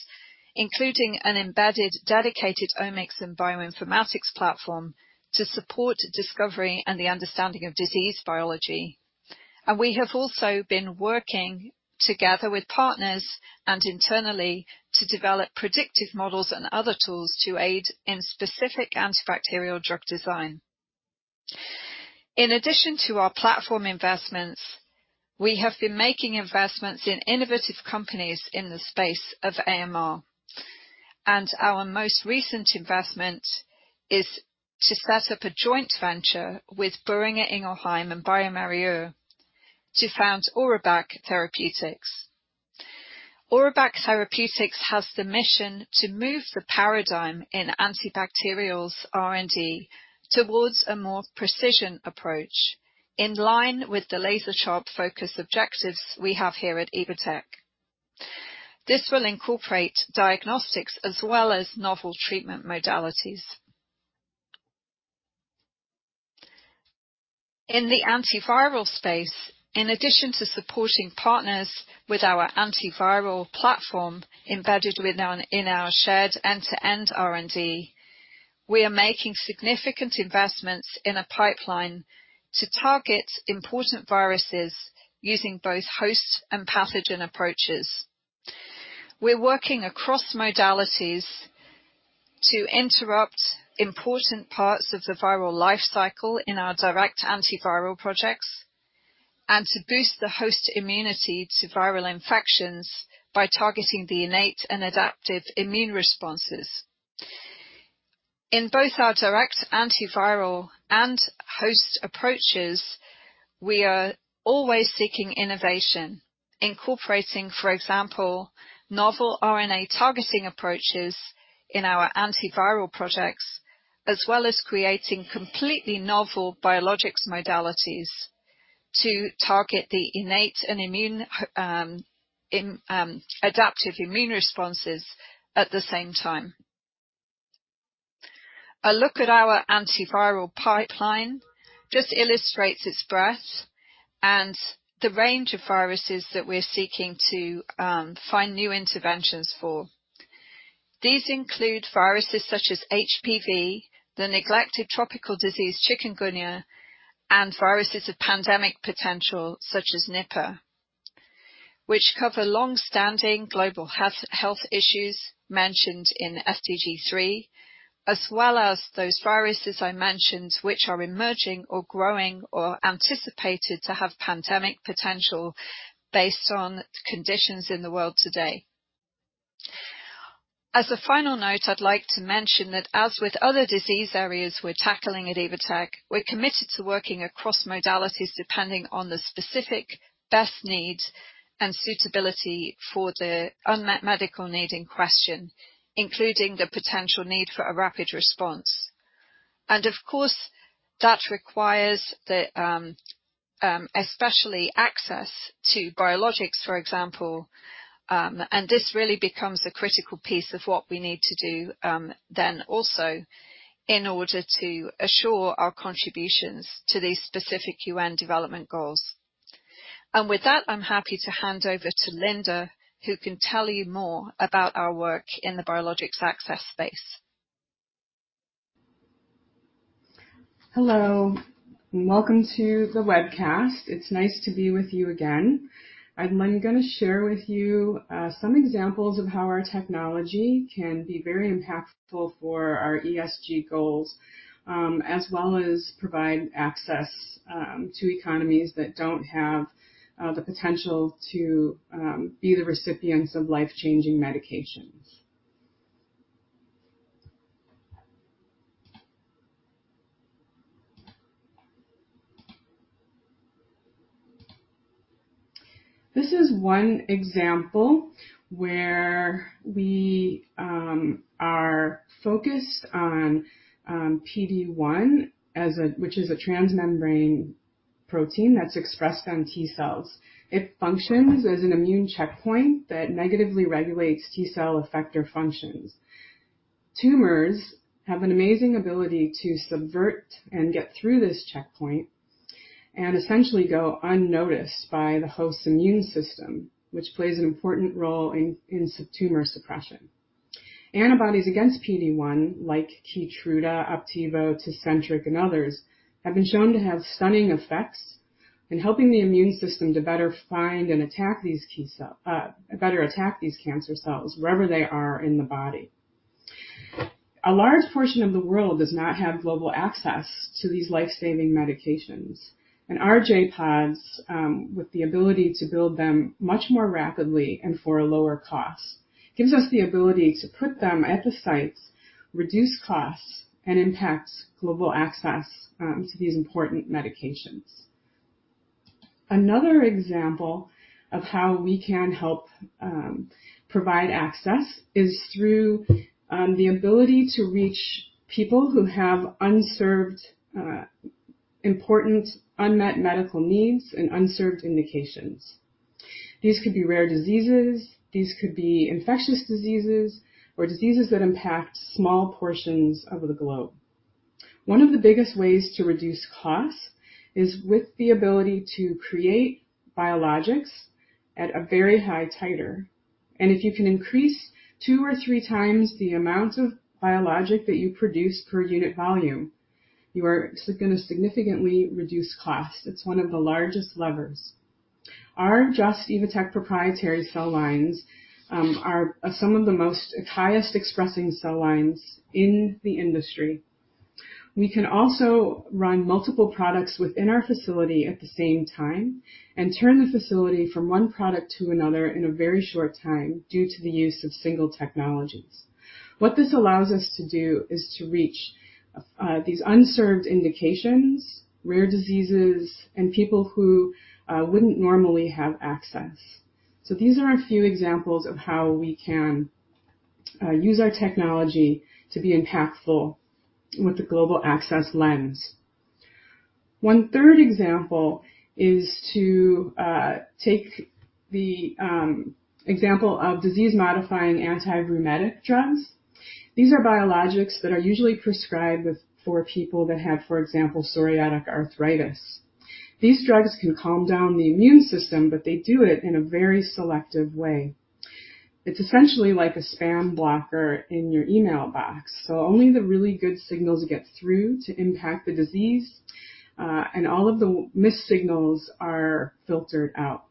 including an embedded, dedicated omics and bioinformatics platform to support discovery and the understanding of disease biology. We have also been working together with partners and internally to develop predictive models and other tools to aid in specific antibacterial drug design. In addition to our platform investments, we have been making investments in innovative companies in the space of AMR. Our most recent investment is to set up a joint venture with Boehringer Ingelheim and bioMérieux to found Aurobac Therapeutics. Aurobac Therapeutics has the mission to move the paradigm in antibacterials R&D towards a more precision approach, in line with the laser-sharp focus objectives we have here at Evotec. This will incorporate diagnostics as well as novel treatment modalities. In the antiviral space, in addition to supporting partners with our antiviral platform, embedded with our, in our shared end-to-end R&D, we are making significant investments in a pipeline to target important viruses using both host and pathogen approaches. We're working across modalities to interrupt important parts of the viral life cycle in our direct antiviral projects and to boost the host immunity to viral infections by targeting the innate and adaptive immune responses. In both our direct, antiviral, and host approaches, we are always seeking innovation, incorporating, for example, novel RNA targeting approaches in our antiviral projects, as well as creating completely novel biologics modalities to target the innate and adaptive immune responses at the same time. A look at our antiviral pipeline just illustrates its breadth and the range of viruses that we're seeking to find new interventions for. These include viruses such as HPV, the neglected tropical disease, chikungunya, and viruses of pandemic potential, such as Nipah, which cover long-standing global health issues mentioned in SDG 3, as well as those viruses I mentioned, which are emerging or growing or anticipated to have pandemic potential based on conditions in the world today. As a final note, I'd like to mention that, as with other disease areas we're tackling at Evotec, we're committed to working across modalities depending on the specific best needs and suitability for the unmet medical need in question, including the potential need for a rapid response. Of course, that requires the especially access to biologics, for example, and this really becomes a critical piece of what we need to do, then also in order to assure our contributions to these specific UN development goals. With that, I'm happy to hand over to Linda, who can tell you more about our work in the biologics access space. Hello, welcome to the webcast. It's nice to be with you again. I'm gonna share with you, some examples of how our technology can be very impactful for our ESG goals, as well as provide access, to economies that don't have, the potential to, be the recipients of life-changing medications. This is one example where we are focused on PD-1, which is a transmembrane protein that's expressed on T cells. It functions as an immune checkpoint that negatively regulates T cell effector functions. Tumors have an amazing ability to subvert and get through this checkpoint and essentially go unnoticed by the host's immune system, which plays an important role in tumor suppression. Antibodies against PD-1, like KEYTRUDA, OPDIVO, TECENTRIQ, and others, have been shown to have stunning effects in helping the immune system to better find and attack these cancer cells wherever they are in the body. Our J.PODs, with the ability to build them much more rapidly and for a lower cost, gives us the ability to put them at the sites, reduce costs, and impact global access to these important medications. Another example of how we can help provide access is through the ability to reach people who have unserved, important unmet medical needs and unserved indications. These could be rare diseases, these could be infectious diseases, or diseases that impact small portions of the globe. One of the biggest ways to reduce costs is with the ability to create biologics at a very high titer. If you can increase two or three times the amount of biologic that you produce per unit volume, you are gonna significantly reduce cost. It's one of the largest levers. Our Just-Evotec proprietary cell lines are some of the most highest expressing cell lines in the industry. We can also run multiple products within our facility at the same time and turn the facility from one product to another in a very short time due to the use of single technologies. What this allows us to do is to reach these unserved indications, rare diseases, and people who wouldn't normally have access. These are a few examples of how we can use our technology to be impactful with the global access lens. One third example is to take the example of disease-modifying antirheumatic drugs. These are biologics that are usually prescribed for people that have, for example, psoriatic arthritis. These drugs can calm down the immune system, they do it in a very selective way. It's essentially like a spam blocker in your email box, only the really good signals get through to impact the disease, and all of the missed signals are filtered out.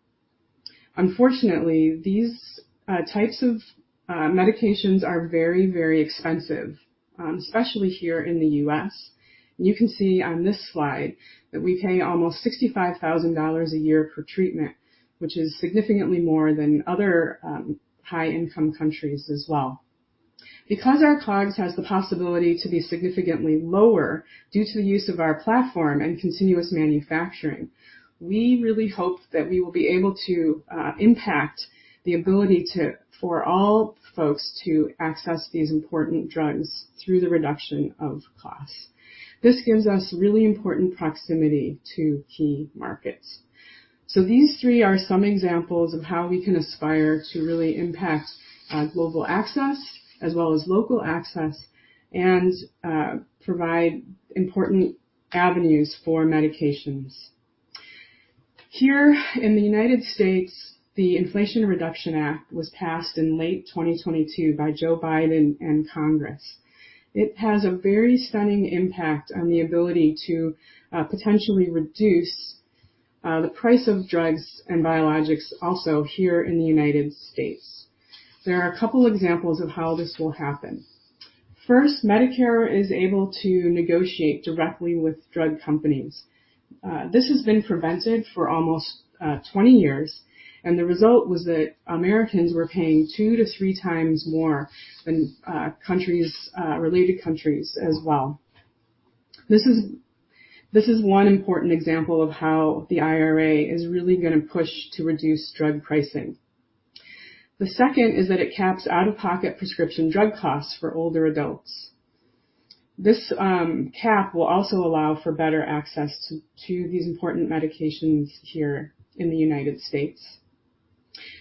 Unfortunately, these types of medications are very, very expensive, especially here in the U.S. You can see on this slide that we pay almost $65,000 a year per treatment, which is significantly more than other high-income countries as well. Our COGS has the possibility to be significantly lower, due to the use of our platform and continuous manufacturing, we really hope that we will be able to impact the ability for all folks to access these important drugs through the reduction of cost. This gives us really important proximity to key markets. These three are some examples of how we can aspire to really impact global access as well as local access and provide important avenues for medications. Here in the United States, the Inflation Reduction Act was passed in late 2022 by Joe Biden and Congress. It has a very stunning impact on the ability to potentially reduce the price of drugs and biologics also here in the United States. There are a couple examples of how this will happen. First, Medicare is able to negotiate directly with drug companies. This has been prevented for almost 20 years, the result was that Americans were paying two to three times more than countries, related countries as well. This is one important example of how the IRA is really gonna push to reduce drug pricing. The second is that it caps out-of-pocket prescription drug costs for older adults. This cap will also allow for better access to these important medications here in the United States.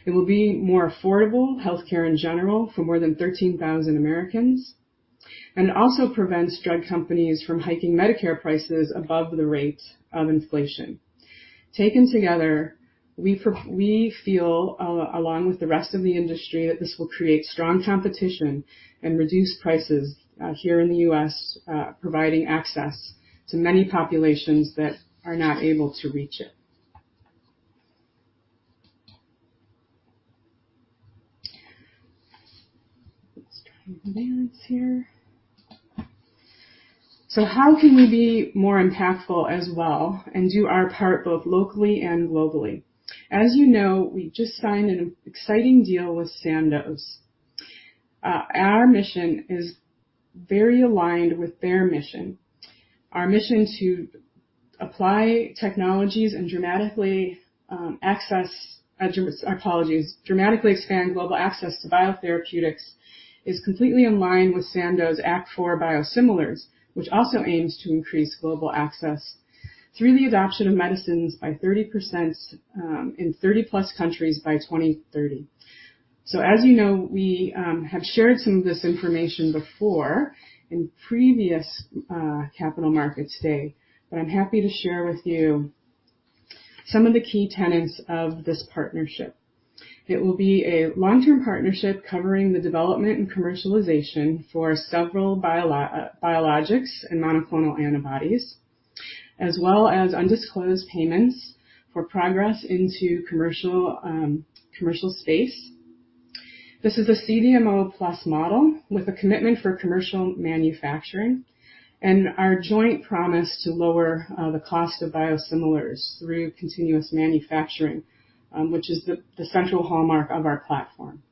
It will be more affordable healthcare in general for more than 13,000 Americans, it also prevents drug companies from hiking Medicare prices above the rate of inflation. Taken together, we feel, along with the rest of the industry, that this will create strong competition and reduce prices here in the U.S., providing access to many populations that are not able to reach it. Let's try advance here. How can we be more impactful as well and do our part, both locally and globally? As you know, we just signed an exciting deal with Sandoz. Our mission is very aligned with their mission. Our mission to apply technologies and dramatically access, apologies, dramatically expand global access to biotherapeutics is completely in line with Sandoz Act4Biosimilars, which also aims to increase global access through the adoption of medicines by 30% in 30+ countries by 2030. As you know, we have shared some of this information before in previous Capital Markets Day. I'm happy to share with you some of the key tenets of this partnership. It will be a long-term partnership covering the development and commercialization for several biologics and monoclonal antibodies, as well as undisclosed payments for progress into commercial space. This is a CDMO plus model with a commitment for commercial manufacturing and our joint promise to lower the cost of biosimilars through continuous manufacturing, which is the central hallmark of our platform.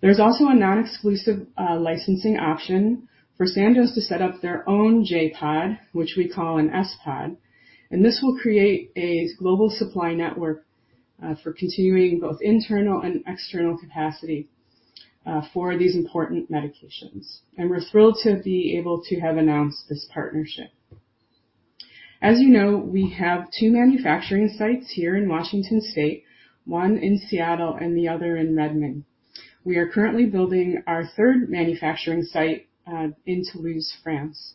There's also a non-exclusive licensing option for Sandoz to set up their own J.POD, which we call an S.POD. This will create a global supply network for continuing both internal and external capacity for these important medications. We're thrilled to be able to have announced this partnership. As you know, we have two manufacturing sites here in Washington State, one in Seattle and the other in Redmond. We are currently building our third manufacturing site in Toulouse, France.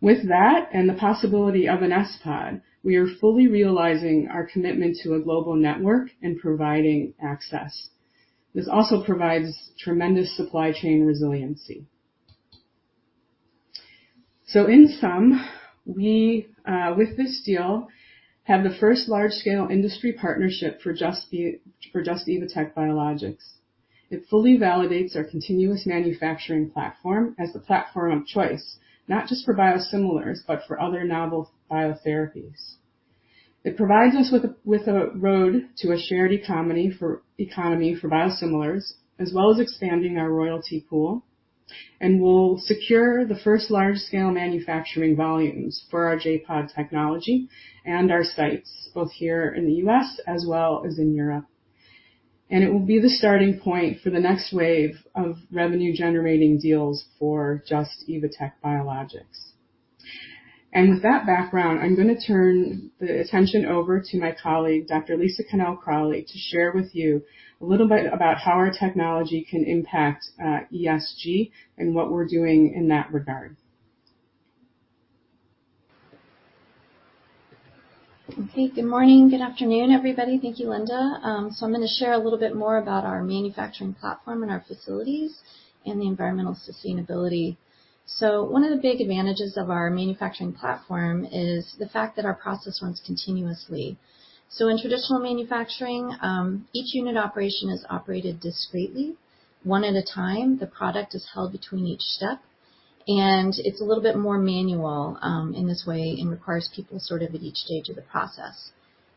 With that and the possibility of an S.POD, we are fully realizing our commitment to a global network and providing access. This also provides tremendous supply chain resiliency. In sum, we with this deal, have the first large-scale industry partnership for Just – Evotec Biologics. It fully validates our continuous manufacturing platform as the platform of choice, not just for biosimilars, but for other novel biotherapies. It provides us with a road to a shared economy for biosimilars, as well as expanding our royalty pool, and will secure the first large-scale manufacturing volumes for our J.POD technology and our sites, both here in the U.S. as well as in Europe. It will be the starting point for the next wave of revenue-generating deals for Just – Evotec Biologics. With that background, I'm gonna turn the attention over to my colleague, Dr. Lisa Connell-Crowley, to share with you a little bit about how our technology can impact ESG and what we're doing in that regard. Good morning. Good afternoon, everybody. Thank you, Linda. I'm gonna share a little bit more about our manufacturing platform and our facilities and the environmental sustainability. One of the big advantages of our manufacturing platform is the fact that our process runs continuously. In traditional manufacturing, each unit operation is operated discretely, one at a time. The product is held between each step, and it's a little bit more manual in this way and requires people sort of at each stage of the process.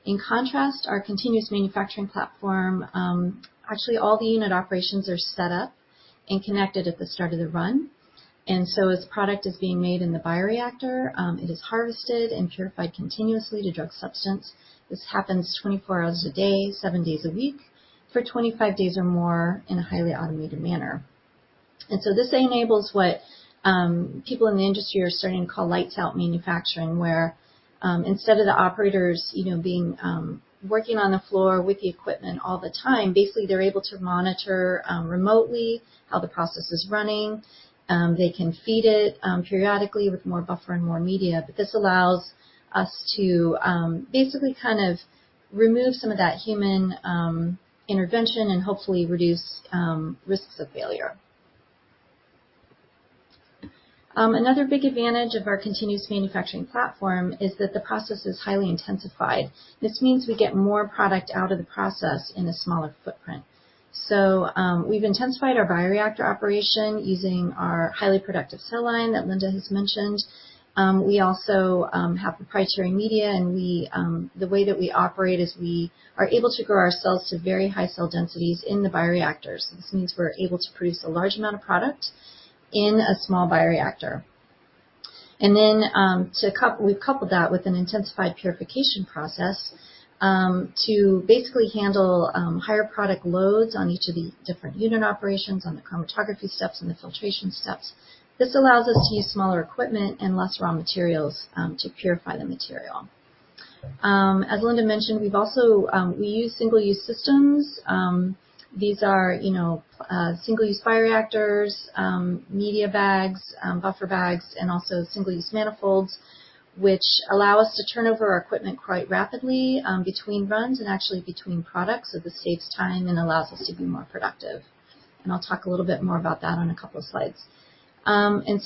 In contrast, our continuous manufacturing platform, actually, all the unit operations are set up and connected at the start of the run. As product is being made in the bioreactor, it is harvested and purified continuously to drug substance. This happens 24 hours a day, seven days a week for 25 days or more in a highly automated manner. This enables what people in the industry are starting to call lights out manufacturing, where instead of the operators, you know, being working on the floor with the equipment all the time, basically, they're able to monitor remotely how the process is running. They can feed it periodically with more buffer and more media. This allows us to basically kind of remove some of that human intervention and hopefully reduce risks of failure. Another big advantage of our continuous manufacturing platform is that the process is highly intensified. This means we get more product out of the process in a smaller footprint. We've intensified our bioreactor operation using our highly productive cell line that Linda has mentioned. We also have proprietary media, and we, the way that we operate is we are able to grow our cells to very high cell densities in the bioreactors. This means we're able to produce a large amount of product in a small bioreactor. We've coupled that with an intensified purification process to basically handle higher product loads on each of the different unit operations, on the chromatography steps and the filtration steps. This allows us to use smaller equipment and less raw materials to purify the material. As Linda mentioned, we've also, we use single-use systems. These are, you know, single-use bioreactors, media bags, buffer bags, and also single-use manifolds, which allow us to turn over our equipment quite rapidly, between runs and actually between products. This saves time and allows us to be more productive. I'll talk a little bit more about that on a couple of slides.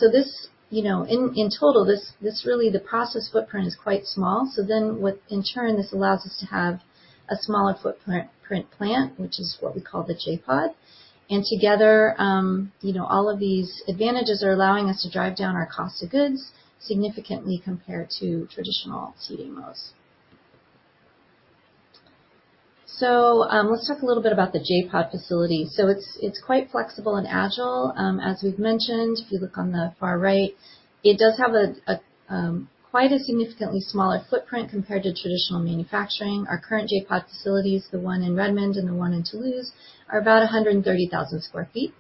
This, you know, in total, this really, the process footprint is quite small. In turn, this allows us to have a smaller footprint plant, which is what we call the J.POD. Together, you know, all of these advantages are allowing us to drive down our cost of goods significantly compared to traditional CDMOs. Let's talk a little bit about the J.POD facility. It's quite flexible and agile. As we've mentioned, if you look on the far right, it does have quite a significantly smaller footprint compared to traditional manufacturing. Our current J.POD facilities, the one in Redmond and the one in Toulouse, are about 130,000 sq ft.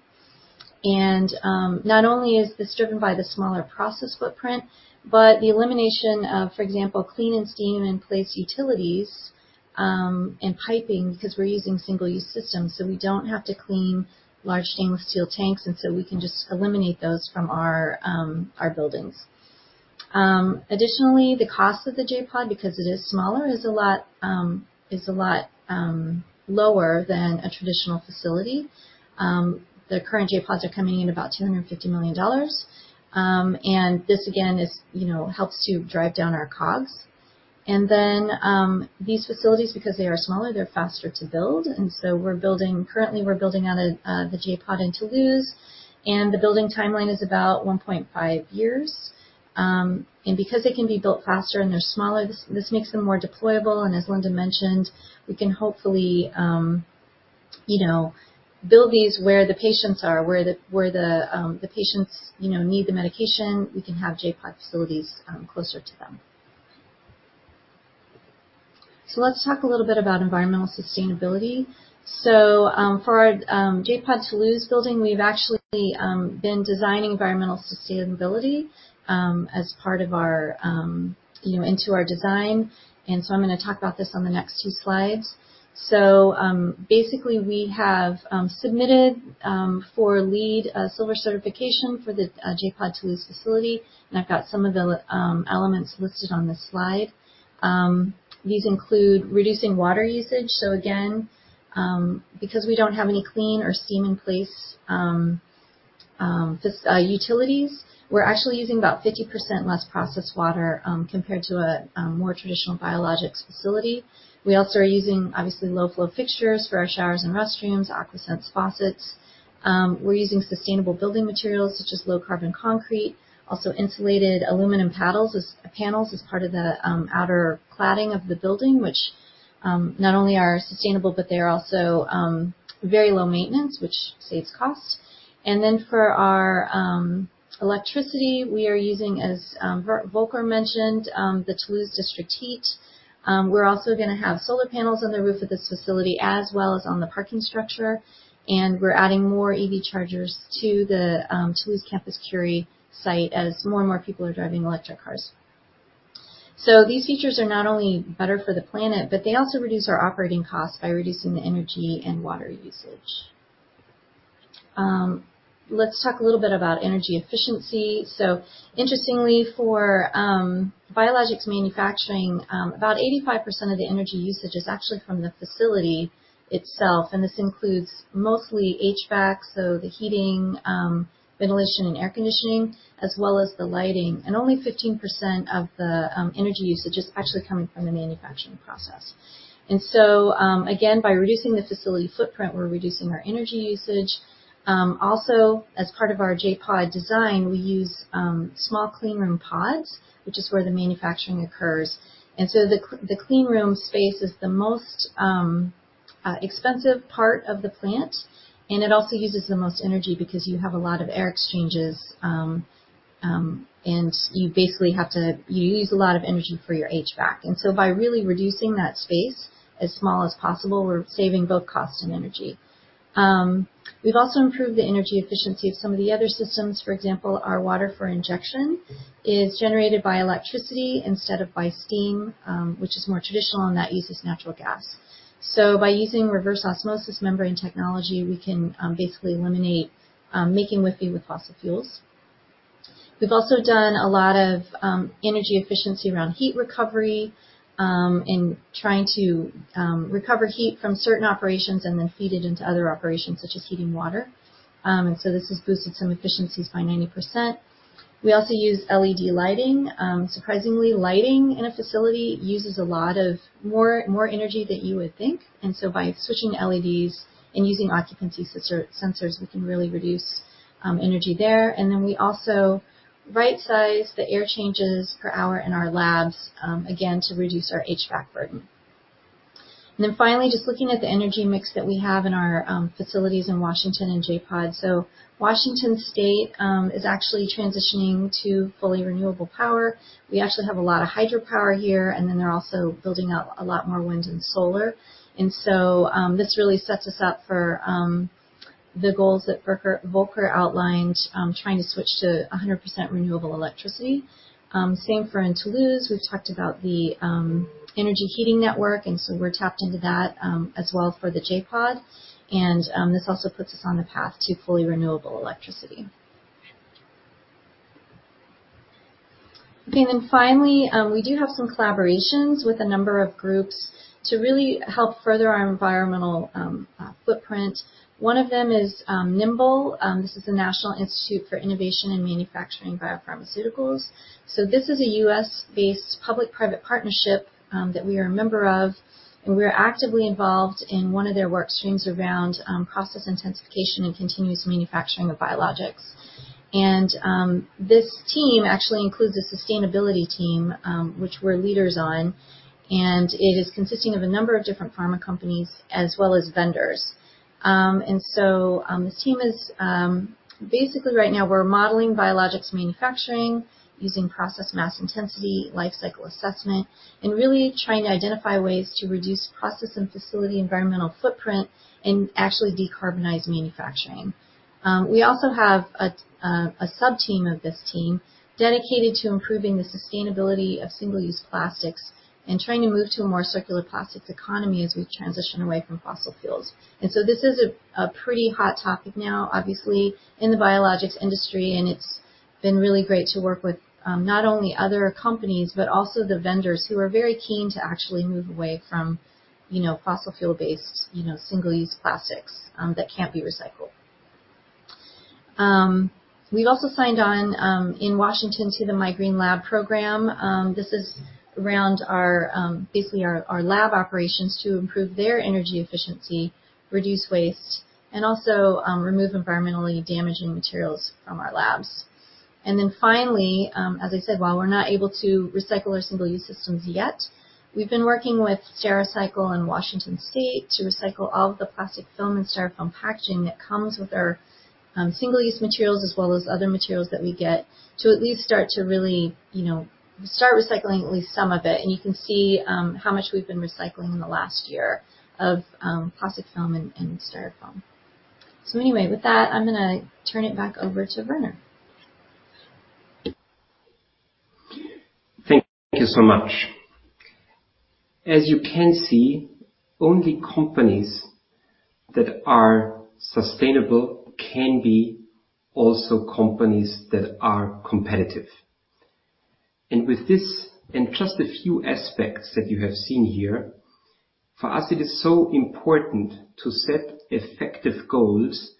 Not only is this driven by the smaller process footprint, but the elimination of, for example, clean-in-place and steam-in-place utilities, and piping, because we're using single-use systems, so we don't have to clean large stainless steel tanks, and so we can just eliminate those from our buildings. Additionally, the cost of the J.POD, because it is smaller, is a lot lower than a traditional facility. The current J.PODs are coming in about $250 million. This, again, is, you know, helps to drive down our costs. These facilities, because they are smaller, they're faster to build, and so currently we're building out a the J.POD in Toulouse, and the building timeline is about 1.5 years. Because they can be built faster and they're smaller, this makes them more deployable, and as Linda mentioned, we can hopefully, you know, build these where the patients are, where the patients, you know, need the medication, we can have J.POD facilities closer to them. Let's talk a little bit about environmental sustainability. For our J.POD Toulouse building, we've actually been designing environmental sustainability as part of our, you know, into our design. I'm gonna talk about this on the next two slides. Basically, we have submitted for LEED Silver certification for the J.POD Toulouse facility, and I've got some of the elements listed on this slide. These include reducing water usage. Again, because we don't have any clean or Steam-in-place utilities, we're actually using about 50% less processed water compared to a more traditional biologics facility. We also are using, obviously, low-flow fixtures for our showers and restrooms, AquaSense faucets. We're using sustainable building materials, such as low-carbon concrete, also insulated aluminum panels as part of the outer cladding of the building, which not only are sustainable, but they are also very low maintenance, which saves costs. For our electricity, we are using, as Volker mentioned, the Toulouse district heat. We're also gonna have solar panels on the roof of this facility, as well as on the parking structure, and we're adding more EV chargers to the Toulouse Campus Curie site as more and more people are driving electric cars. These features are not only better for the planet, but they also reduce our operating costs by reducing the energy and water usage. Let's talk a little bit about energy efficiency. Interestingly, for biologics manufacturing, about 85% of the energy usage is actually from the facility itself, and this includes mostly HVAC, so the heating, ventilation, and air conditioning, as well as the lighting, and only 15% of the energy usage is actually coming from the manufacturing process. Again, by reducing the facility footprint, we're reducing our energy usage. Also, as part of our J.POD design, we use small clean room pods, which is where the manufacturing occurs. The clean room space is the most expensive part of the plant, and it also uses the most energy because you have a lot of air exchanges, and you basically use a lot of energy for your HVAC. By really reducing that space as small as possible, we're saving both costs and energy. We've also improved the energy efficiency of some of the other systems. For example, our Water for Injection is generated by electricity instead of by steam, which is more traditional, and that uses natural gas. By using reverse osmosis membrane technology, we can basically eliminate making with fossil fuels. We've also done a lot of energy efficiency around heat recovery in trying to recover heat from certain operations and then feed it into other operations, such as heating water. This has boosted some efficiencies by 90%. We also use LED lighting. Surprisingly, lighting in a facility uses a lot of more energy than you would think, and so by switching to LEDs and using occupancy sensors, we can really reduce energy there. We also right-size the air changes per hour in our labs again, to reduce our HVAC burden. Finally, just looking at the energy mix that we have in our facilities in Washington and J.POD. Washington State is actually transitioning to fully renewable power. We actually have a lot of hydropower here. They're also building out a lot more wind and solar. This really sets us up for the goals that Volker outlined, trying to switch to 100% renewable electricity. Same for in Toulouse. We've talked about the energy heating network. We're tapped into that as well for the J.POD. This also puts us on the path to fully renewable electricity. Finally, we do have some collaborations with a number of groups to really help further our environmental footprint. One of them is NIIMBL. This is the National Institute for Innovation in Manufacturing Biopharmaceuticals. This is a U.S.-based public-private partnership that we are a member of, we are actively involved in one of their work streams around process intensification and continuous manufacturing of biologics. This team actually includes a sustainability team, which we're leaders on, it is consisting of a number of different pharma companies as well as vendors. This team is basically right now, we're modeling biologics manufacturing using Process Mass Intensity, Life Cycle Assessment, and really trying to identify ways to reduce process and facility environmental footprint and actually decarbonize manufacturing. We also have a subteam of this team dedicated to improving the sustainability of single-use plastics and trying to move to a more circular plastics economy as we transition away from fossil fuels. This is a pretty hot topic now, obviously, in the biologics industry, and it's been really great to work with, not only other companies, but also the vendors who are very keen to actually move away from, you know, fossil fuel-based, you know, single-use plastics, that can't be recycled. We've also signed on in Washington to the My Green Lab program. This is around our, basically our lab operations to improve their energy efficiency, reduce waste, and also, remove environmentally damaging materials from our labs. Finally, as I said, while we're not able to recycle our single-use systems yet, we've been working with Stericycle in Washington State to recycle all of the plastic film and styrofoam packaging that comes with our single-use materials, as well as other materials that we get, to at least start to really, you know, start recycling at least some of it. You can see how much we've been recycling in the last year of plastic film and styrofoam. Anyway, with that, I'm gonna turn it back over to Werner. Thank you so much. As you can see, only companies that are sustainable can be also companies that are competitive. With this, and just a few aspects that you have seen here, for us, it is so important to set effective goals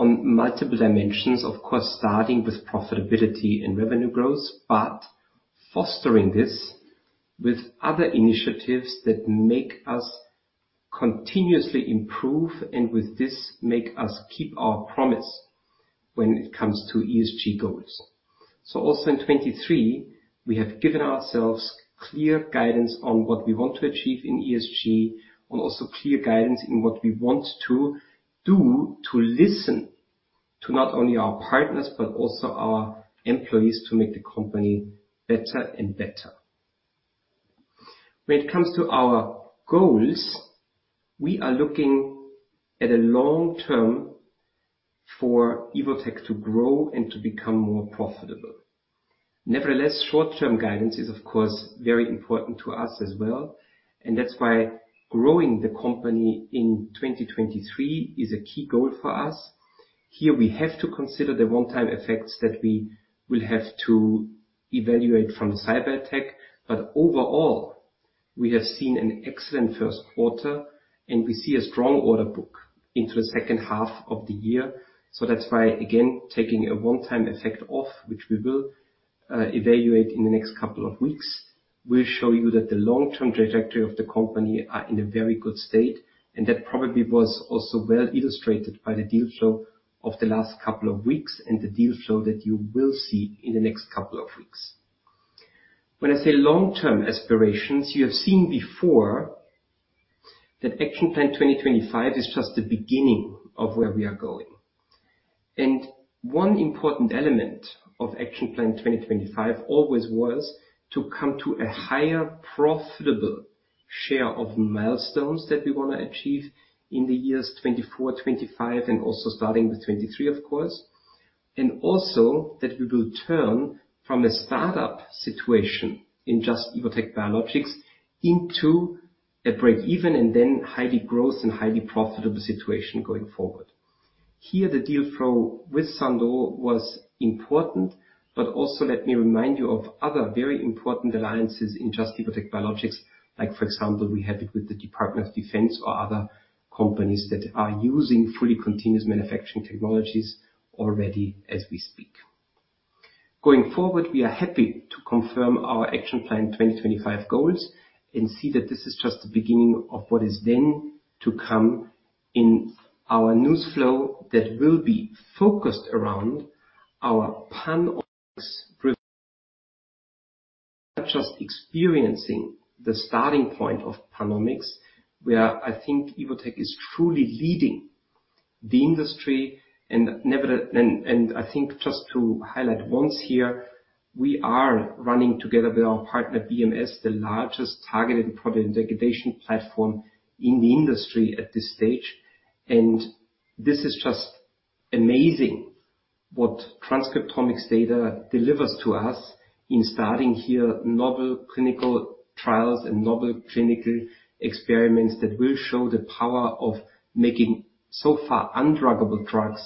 on multiple dimensions, of course, starting with profitability and revenue growth, but fostering this with other initiatives that make us continuously improve, and with this, make us keep our promise when it comes to ESG goals. Also in 2023, we have given ourselves clear guidance on what we want to achieve in ESG, and also clear guidance in what we want to do to listen to not only our partners, but also our employees, to make the company better and better. When it comes to our goals, we are looking at a long term for Evotec to grow and to become more profitable. Nevertheless, short-term guidance is, of course, very important to us as well, and that's why growing the company in 2023 is a key goal for us. Here we have to consider the one-time effects that we will have to evaluate from the cyberattack, but overall, we have seen an excellent first quarter, and we see a strong order book into the second half of the year. That's why, again, taking a one-time effect off, which we will evaluate in the next couple of weeks, we'll show you that the long-term trajectory of the company are in a very good state, and that probably was also well illustrated by the deal flow of the last couple of weeks, and the deal flow that you will see in the next couple of weeks. When I say long-term aspirations, you have seen before that Action Plan 2025 is just the beginning of where we are going. One important element of Action Plan 2025 always was to come to a higher profitable share of milestones that we wanna achieve in the years 2024, 2025, and also starting with 2023, of course. Also that we will turn from a start-up situation in Just – Evotec Biologics into a break-even, and then highly growth and highly profitable situation going forward. Here, the deal flow with Sandoz was important, but also let me remind you of other very important alliances in Just – Evotec Biologics. Like, for example, we had it with the Department of Defense or other companies that are using fully continuous manufacturing technologies already as we speak. Going forward, we are happy to confirm our Action Plan 2025 goals and see that this is just the beginning of what is then to come in our news flow, that will be focused around our Just experiencing the starting point of PanOmics, where I think Evotec is truly leading the industry. I think just to highlight once here, we are running together with our partner, BMS, the largest targeted protein degradation platform in the industry at this stage. This is just amazing what transcriptomics data delivers to us in starting here, novel clinical trials and novel clinical experiments that will show the power of making so far undruggable drugs.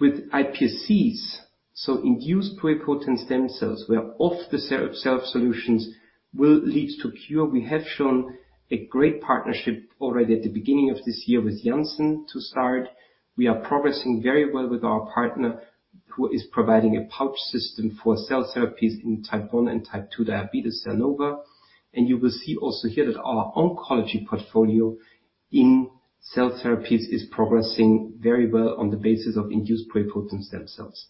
With iPSCs, so induced pluripotent stem cells, where off-the-shelf cell solutions will lead to cure. We have shown a great partnership already at the beginning of this year with Janssen to start. We are progressing very well with our partner, who is providing a pouch system for cell therapies in Type 1 and Type 2 diabetes, Sernova. You will see also here that our oncology portfolio in cell therapies is progressing very well on the basis of induced pluripotent stem cells.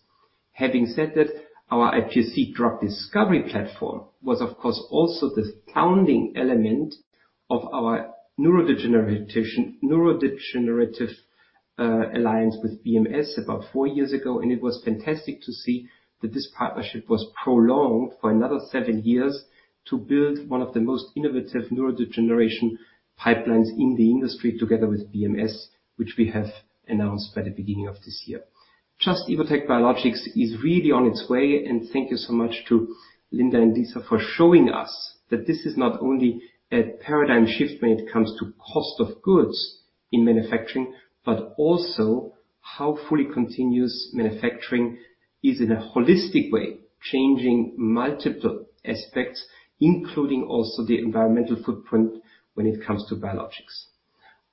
Having said that, our iPSC drug discovery platform was, of course, also the founding element of our neurodegenerative alliance with BMS about four years ago, it was fantastic to see that this partnership was prolonged for another seven years to build one of the most innovative neurodegeneration pipelines in the industry, together with BMS, which we have announced by the beginning of this year. Just – Evotec Biologics is really on its way. Thank you so much to Linda and Lisa for showing us that this is not only a paradigm shift when it comes to cost of goods in manufacturing, but also how fully continuous manufacturing is, in a holistic way, changing multiple aspects, including also the environmental footprint when it comes to biologics.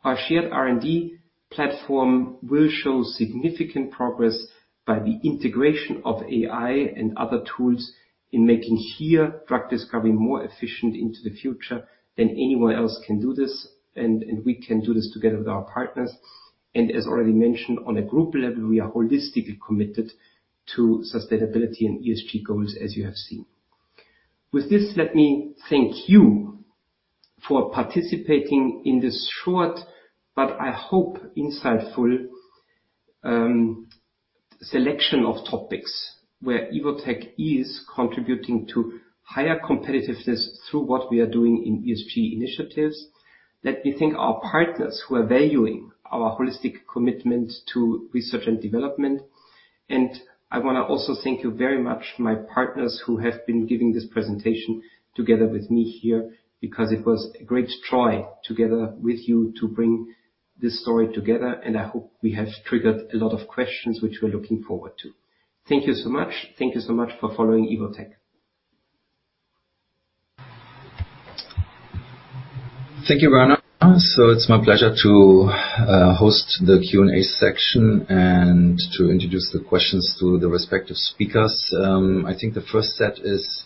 Our shared R&D platform will show significant progress by the integration of AI and other tools in making here drug discovery more efficient into the future than anyone else can do this, we can do this together with our partners. As already mentioned, on a group level, we are holistically committed to sustainability and ESG goals, as you have seen. With this, let me thank you for participating in this short, but I hope insightful, selection of topics where Evotec is contributing to higher competitiveness through what we are doing in ESG initiatives. Let me thank our partners who are valuing our holistic commitment to research and development. I want to also thank you very much, my partners, who have been giving this presentation together with me here, because it was a great joy together with you to bring this story together, I hope we have triggered a lot of questions, which we're looking forward to. Thank you so much. Thank you so much for following Evotec. Thank you, Werner. It's my pleasure to host the Q&A section and to introduce the questions to the respective speakers. I think the first set is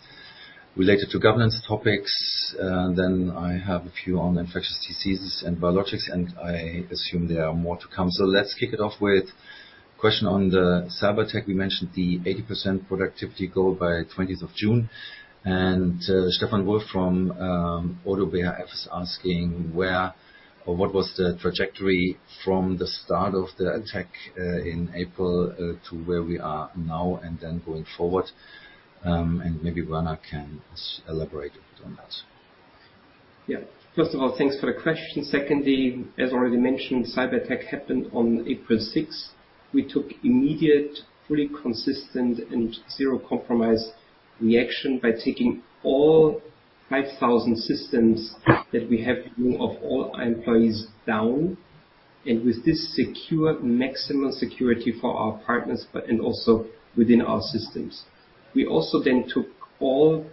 related to governance topics. I have a few on infectious diseases and biologics, and I assume there are more to come. Let's kick it off with a question on the cyberattack. We mentioned the 80% productivity goal by 20th of June, and Stefan Wolf from ODDO BHF is asking where or what was the trajectory from the start of the attack in April to where we are now and then going forward? Maybe Werner can elaborate on that. First of all, thanks for the question. Secondly, as already mentioned, cyberattack happened on April 6th. We took immediate, fully consistent, and zero-compromise reaction by taking all 5,000 systems that we have view of all our employees down, and with this, secured maximum security for our partners, but, and also within our systems. We also then took all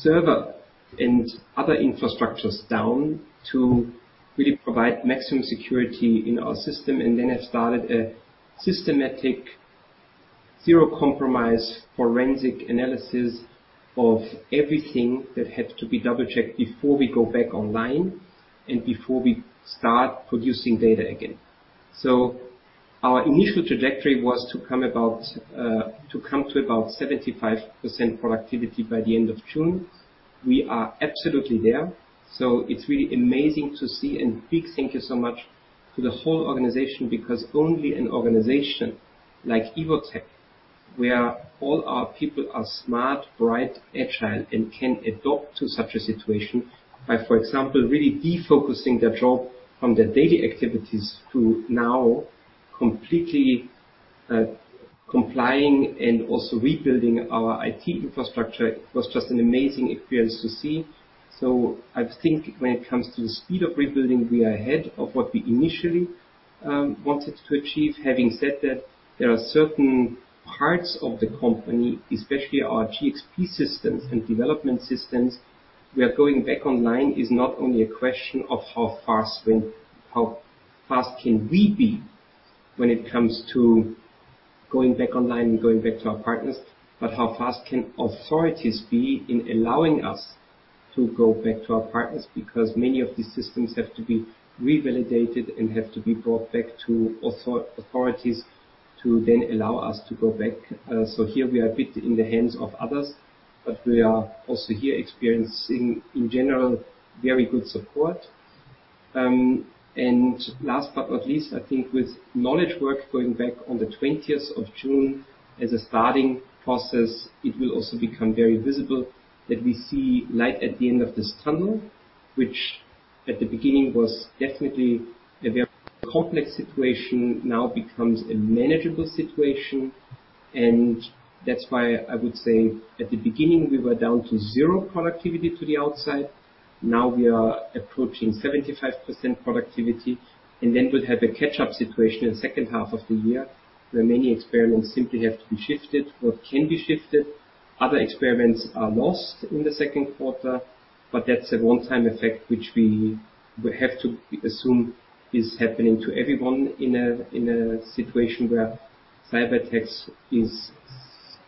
server and other infrastructures down to really provide maximum security in our system, and then have started a systematic zero-compromise forensic analysis of everything that had to be double-checked before we go back online and before we start producing data again. Our initial trajectory was to come to about 75% productivity by the end of June. We are absolutely there. It's really amazing to see, and big thank you so much to the whole organization, because only an organization like Evotec, where all our people are smart, bright, agile, and can adapt to such a situation by, for example, really defocusing their job from their daily activities to now completely complying and also rebuilding our IT infrastructure, was just an amazing experience to see. I think when it comes to the speed of rebuilding, we are ahead of what we initially wanted to achieve. Having said that, there are certain parts of the company, especially our GXP systems and development systems, where going back online is not only a question of how fast how fast can we be when it comes to going back online and going back to our partners, but how fast can authorities be in allowing us to go back to our partners. Many of these systems have to be revalidated and have to be brought back to authorities to then allow us to go back. Here we are a bit in the hands of others. We are also here experiencing, in general, very good support. Last but not least, I think with knowledge work going back on the 20th of June as a starting process, it will also become very visible that we see light at the end of this tunnel, which at the beginning was definitely a very complex situation, now becomes a manageable situation. That's why I would say, at the beginning, we were down to zero productivity to the outside. Now we are approaching 75% productivity, and then we'll have a catch-up situation in the second half of the year, where many experiments simply have to be shifted or can be shifted. Other experiments are lost in the second quarter. That's a one-time effect, which we have to assume is happening to everyone in a situation where cyberattacks is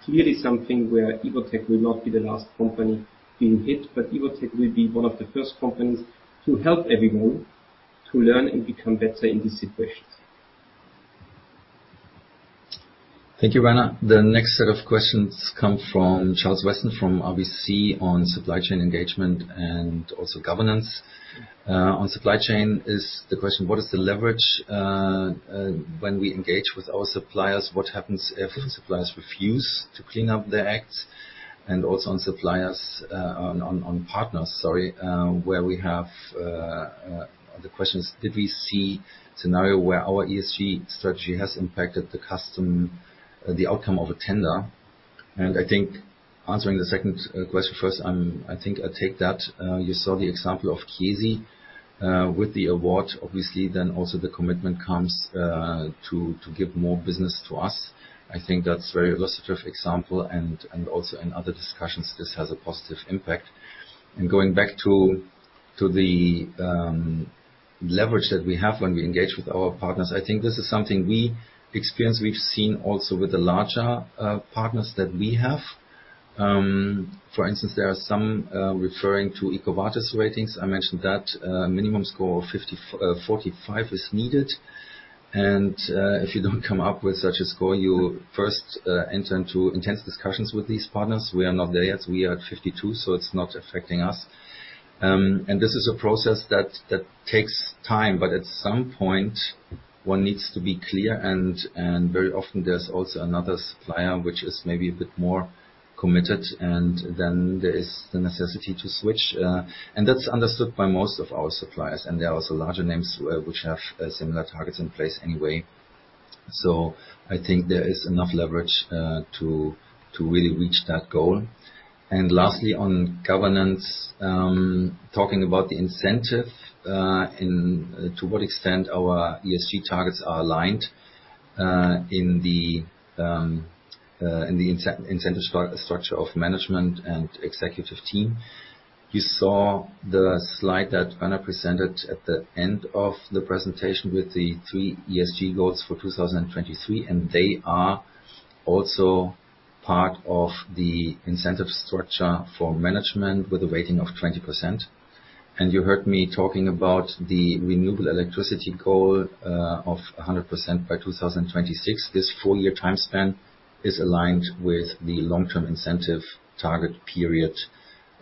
clearly something where Evotec will not be the last company being hit. Evotec will be one of the first companies to help everyone to learn and become better in these situations. Thank you, Werner. The next set of questions come from Charles Weston, from RBC, on supply chain engagement and also governance. On supply chain is the question: What is the leverage when we engage with our suppliers? What happens if suppliers refuse to clean up their act? Also on partners, the question is: Did we see a scenario where our ESG strategy has impacted the outcome of a tender? I think answering the second question first, I think I'll take that. You saw the example of Chiesi with the award. Obviously, then also the commitment comes to give more business to us. I think that's a very illustrative example and also in other discussions, this has a positive impact. Going back to the leverage that we have when we engage with our partners, I think this is something we experience. We've seen also with the larger partners that we have. For instance, there are some referring to EcoVadis ratings. I mentioned that minimum score of 50, 45 is needed. If you don't come up with such a score, you first enter into intense discussions with these partners. We are not there yet. We are at 52, so it's not affecting us. This is a process that takes time, but at some point, one needs to be clear, and very often there's also another supplier which is maybe a bit more committed, and then there is the necessity to switch. That's understood by most of our suppliers, and there are also larger names, which have similar targets in place anyway. I think there is enough leverage to really reach that goal. Lastly, on governance, talking about the incentive to what extent our ESG targets are aligned in the incentive structure of management and executive team. You saw the slide that Anna presented at the end of the presentation with the three ESG goals for 2023, and they are also part of the incentive structure for management with a weighting of 20%. You heard me talking about the renewable electricity goal of 100% by 2026. This four-year time span is aligned with the long-term incentive target period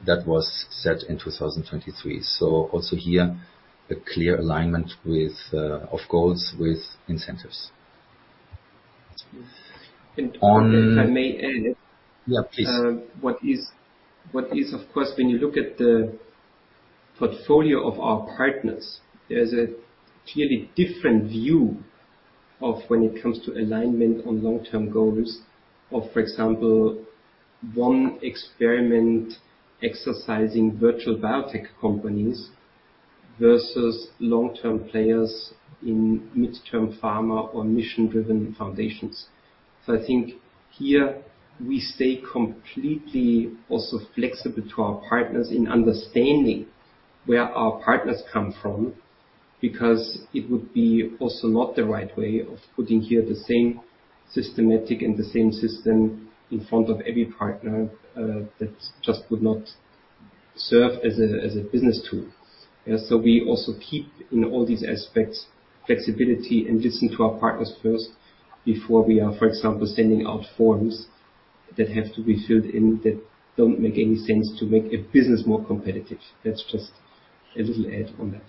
that was set in 2023. Also here, a clear alignment with of goals with incentives. And- On- If I may add. Yeah, please. What is, of course, when you look at the portfolio of our partners, there's a clearly different view of when it comes to alignment on long-term goals. Of, for example, one experiment exercising virtual biotech companies versus long-term players in mid-term pharma or mission-driven foundations. I think here we stay completely also flexible to our partners in understanding where our partners come from, because it would be also not the right way of putting here the same systematic and the same system in front of every partner. That just would not serve as a business tool. We also keep in all these aspects, flexibility and listen to our partners first before we are, for example, sending out forms that have to be filled in, that don't make any sense to make a business more competitive. That's just a little add on that.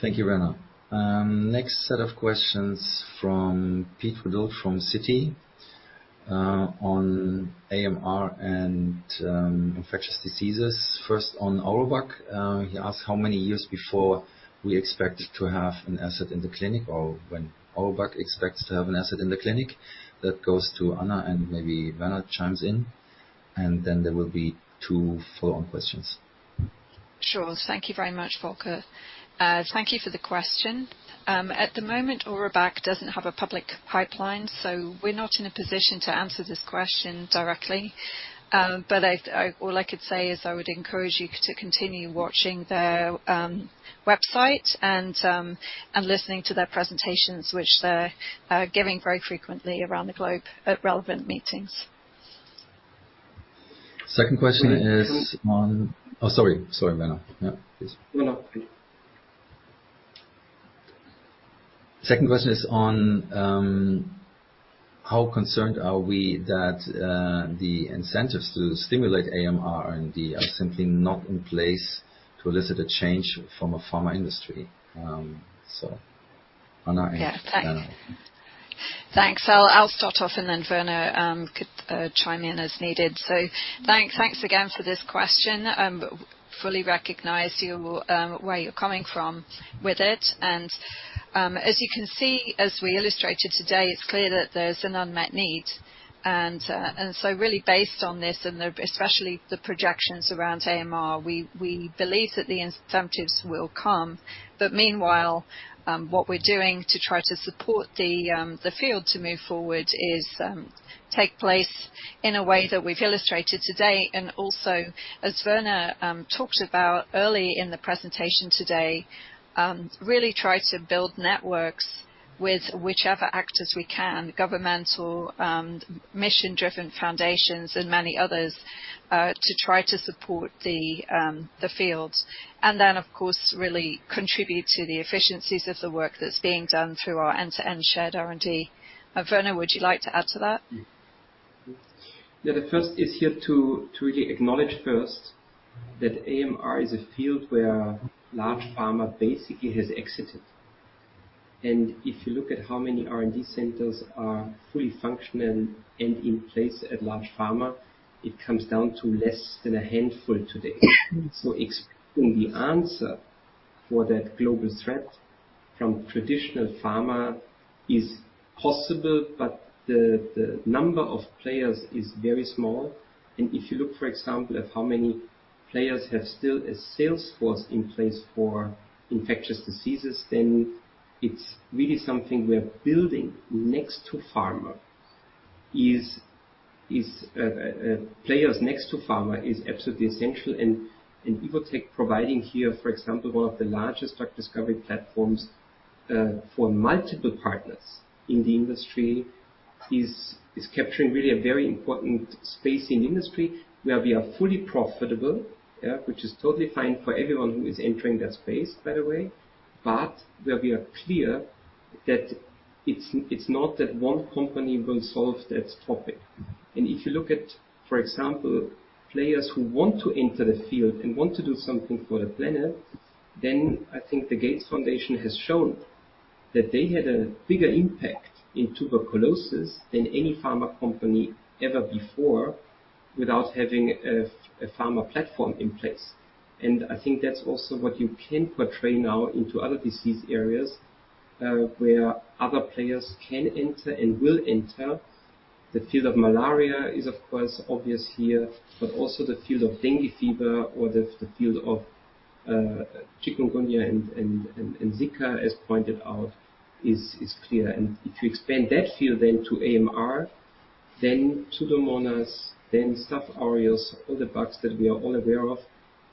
Thank you, Werner. Next set of questions from Pete Ridout from Citi, on AMR and infectious diseases. First, on Aurobac, he asked how many years before we expect to have an asset in the clinic, or when Aurobac expects to have an asset in the clinic. That goes to Anna, and maybe Werner chimes in, and then there will be two follow-on questions. Sure. Thank you very much, Volker. Thank you for the question. At the moment, Aurobac doesn't have a public pipeline, we're not in a position to answer this question directly. All I could say is I would encourage you to continue watching their website and listening to their presentations, which they're giving very frequently around the globe at relevant meetings. Second question is on-, Oh, sorry. Sorry, Werner. Yeah, please. No, no. Second question is on, how concerned are we that the incentives to stimulate AMR R&D are simply not in place to elicit a change from a pharma industry? Anna. Yeah, thanks. I'll start off, and then Werner could chime in as needed. Thanks again for this question. Fully recognize you where you're coming from with it, and as you can see, as we illustrated today, it's clear that there's an unmet need. Really based on this, and especially the projections around AMR, we believe that the incentives will come. Meanwhile, what we're doing to try to support the field to move forward is take place in a way that we've illustrated today, and also, as Werner talked about early in the presentation today, really try to build networks with whichever actors we can, governmental, mission-driven foundations and many others to try to support the field. Of course, really contribute to the efficiencies of the work that's being done through our end-to-end shared R&D. Werner, would you like to add to that? Yeah, the first is here to really acknowledge first that AMR is a field where large pharma basically has exited. If you look at how many R&D centers are fully functional and in place at large pharma, it comes down to less than a handful today. Exploring the answer for that global threat from traditional pharma is possible, but the number of players is very small. If you look, for example, at how many players have still a sales force in place for infectious diseases, then it's really something we're building next to pharma. Players next to pharma is absolutely essential and Evotec providing here, for example, one of the largest drug discovery platforms for multiple partners in the industry is capturing really a very important space in industry where we are fully profitable, yeah, which is totally fine for everyone who is entering that space, by the way. Where we are clear that it's not that one company will solve that topic. If you look at, for example, players who want to enter the field and want to do something for the planet, then I think the Gates Foundation has shown that they had a bigger impact in tuberculosis than any pharma company ever before, without having a pharma platform in place. I think that's also what you can portray now into other disease areas, where other players can enter and will enter. The field of malaria is, of course, obvious here, but also the field of dengue fever or the field of chikungunya and Zika, as pointed out, is clear. If you expand that field then to AMR, then Pseudomonas, then Staph aureus, all the bugs that we are all aware of,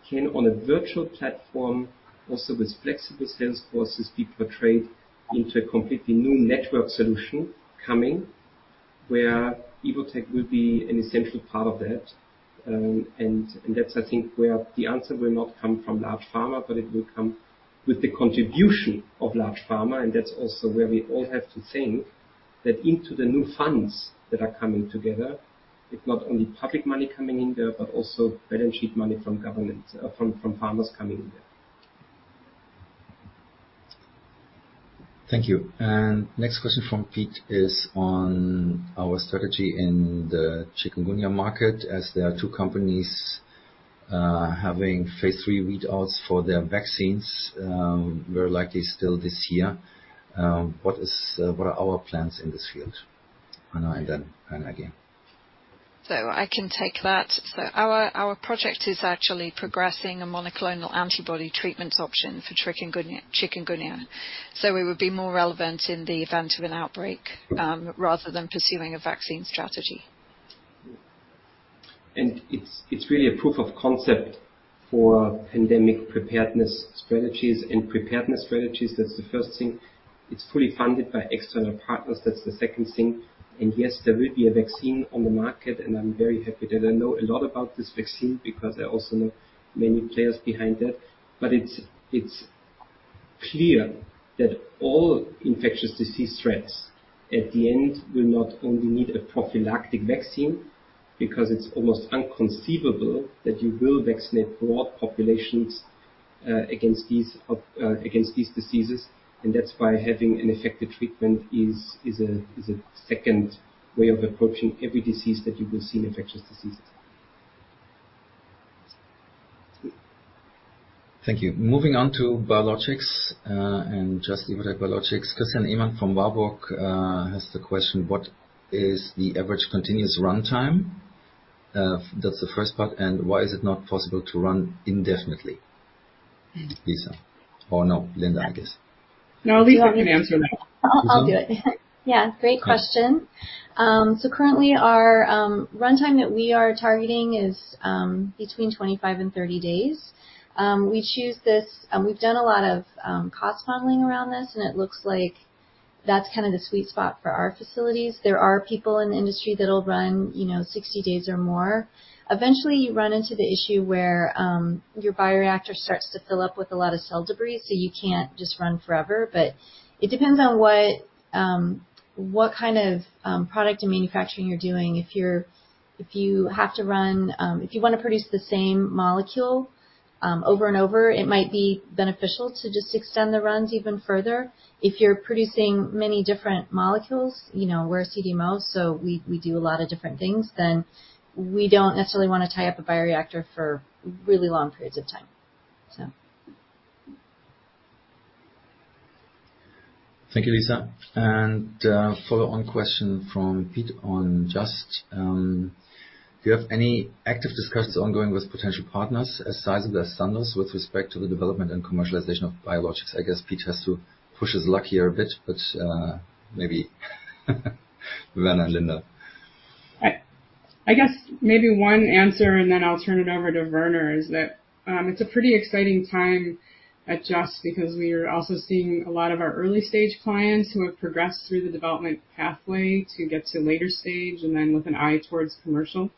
can, on a virtual platform, also with flexible sales forces, be portrayed into a completely new network solution coming, where Evotec will be an essential part of that. That's, I think, where the answer will not come from large pharma, but it will come with the contribution of large pharma. That's also where we all have to think that into the new funds that are coming together, it's not only public money coming in there, but also balance sheet money from government, from pharmas coming in there. Thank you. Next question from Pete is on our strategy in the chikungunya market, as there are two companies having phase III readouts for their vaccines very likely still this year. What are our plans in this field? Werner and then Anna, again. I can take that. Our project is actually progressing a monoclonal antibody treatment option for chikungunya. We would be more relevant in the event of an outbreak, rather than pursuing a vaccine strategy. It's really a proof of concept for pandemic preparedness strategies, that's the first thing. It's fully funded by external partners, that's the second thing. Yes, there will be a vaccine on the market, and I'm very happy that I know a lot about this vaccine because I also know many players behind it. It's clear that all infectious disease threats, at the end, will not only need a prophylactic vaccine, because it's almost inconceivable that you will vaccinate broad populations against these diseases. That's why having an effective treatment is a second way of approaching every disease that you will see in infectious diseases. Thank you. Moving on to biologics, and Just – Evotec Biologics. Christian Ehmann from Warburg has the question: What is the average continuous runtime? That's the first part. Why is it not possible to run indefinitely? Lisa or no, Linda, I guess. No, Lisa can answer that. I'll do it. Yeah, great question. Currently our runtime that we are targeting is between 25 and 30 days. We choose this, we've done a lot of cost modeling around this, and it looks like that's kind of the sweet spot for our facilities. There are people in the industry that'll run, you know, 60 days or more. Eventually, you run into the issue where your bioreactor starts to fill up with a lot of cell debris, you can't just run forever. It depends on what kind of product and manufacturing you're doing. If you're, if you have to run, if you want to produce the same molecule over and over, it might be beneficial to just extend the runs even further. If you're producing many different molecules, you know, we're CDMO, so we do a lot of different things. We don't necessarily want to tie up a bioreactor for really long periods of time. Thank you, Lisa. Follow-on question from Pete on Just: Do you have any active discussions ongoing with potential partners as sized as Sandoz with respect to the development and commercialization of biologics? I guess Pete has to push his luck here a bit, but maybe Werner and Linda. I guess maybe one answer, and then I'll turn it over to Werner, is that it's a pretty exciting time at Just because we are also seeing a lot of our early-stage clients who have progressed through the development pathway to get to later stage and then with an eye towards commercial.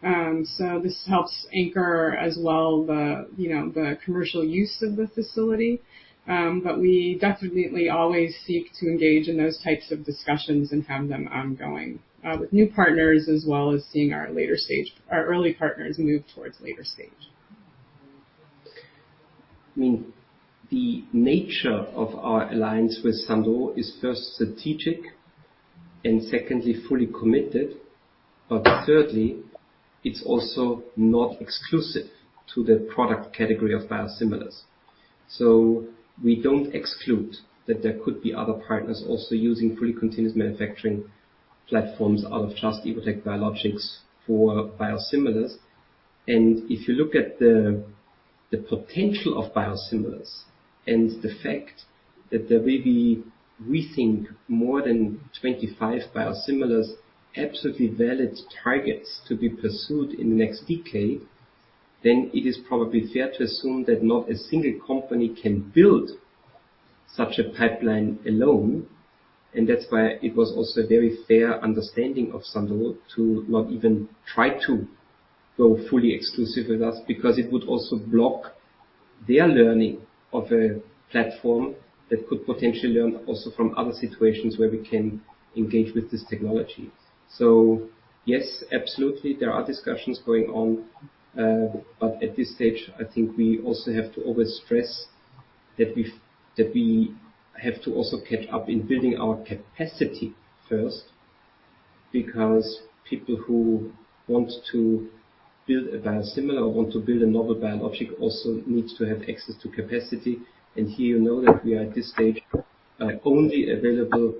This helps anchor as well, the, you know, the commercial use of the facility. We definitely always seek to engage in those types of discussions and have them ongoing, with new partners, as well as seeing our early partners move towards later stage. I mean, the nature of our alliance with Sandoz is first, strategic, and secondly, fully committed, but thirdly, it's also not exclusive to the product category of biosimilars. We don't exclude that there could be other partners also using fully continuous manufacturing platforms out of Just – Evotec Biologics for biosimilars. If you look at the potential of biosimilars and the fact that there may be, we think, more than 25 biosimilars, absolutely valid targets to be pursued in the next decade, then it is probably fair to assume that not a single company can build such a pipeline alone. That's why it was also a very fair understanding of Sandoz to not even try to go fully exclusive with us, because it would also block their learning of a platform that could potentially learn also from other situations where we can engage with this technology. Yes, absolutely, there are discussions going on, but at this stage, I think we also have to always stress that we have to also catch up in building our capacity first. People who want to build a biosimilar or want to build a novel bio object, also needs to have access to capacity. Here you know that we are, at this stage, only available,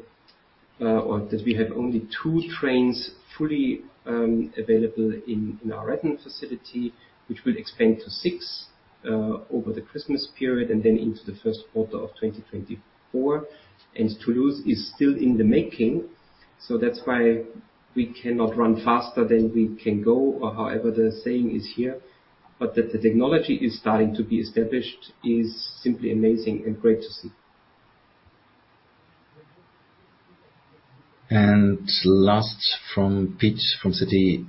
or that we have only two trains fully available in our Redmond facility, which will expand to six over the Christmas period and then into the first quarter of 2024. Toulouse is still in the making, that's why we cannot run faster than we can go, or however, the saying is here. That the technology is starting to be established, is simply amazing and great to see. Last from Pete, from Citi,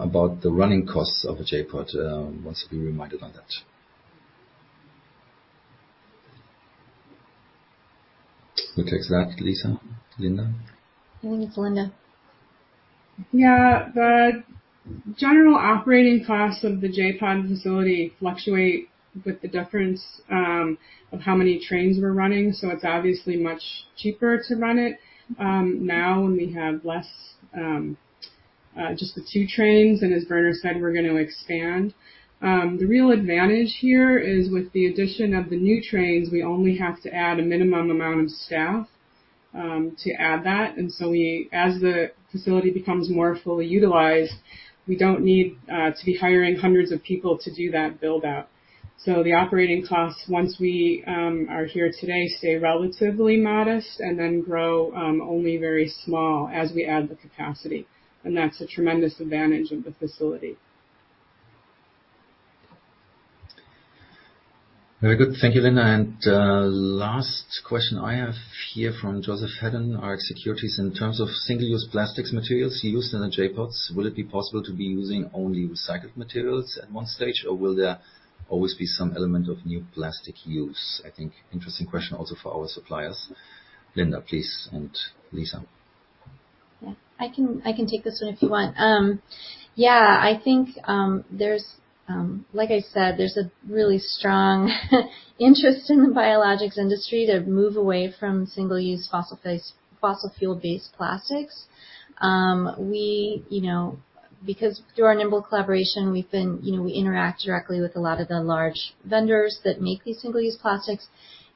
about the running costs of a J.POD. wants to be reminded about that. Who takes that, Lisa? Linda? I think it's Linda. The general operating costs of the J.POD facility fluctuate with the difference of how many trains we're running. It's obviously much cheaper to run it. Now when we have less, just the two trains, and as Werner said, we're going to expand. The real advantage here is with the addition of the new trains, we only have to add a minimum amount of staff to add that. As the facility becomes more fully utilized, we don't need to be hiring hundreds of people to do that build-out. The operating costs, once we are here today, stay relatively modest and then grow only very small as we add the capacity. That's a tremendous advantage of the facility. Very good. Thank you, Linda. Last question I have here from Joseph Hedden, Rx Securities. In terms of single-use plastics materials used in the J.PODs, will it be possible to be using only recycled materials at one stage, or will there always be some element of new plastic use? I think interesting question also for our suppliers. Linda, please, and Lisa. Yeah, I can take this one if you want. Yeah, I think, like I said, there's a really strong interest in the biologics industry to move away from single-use fossil fuel-based plastics. We, you know, because through our NIIMBL collaboration, we've been, you know, we interact directly with a lot of the large vendors that make these single-use plastics,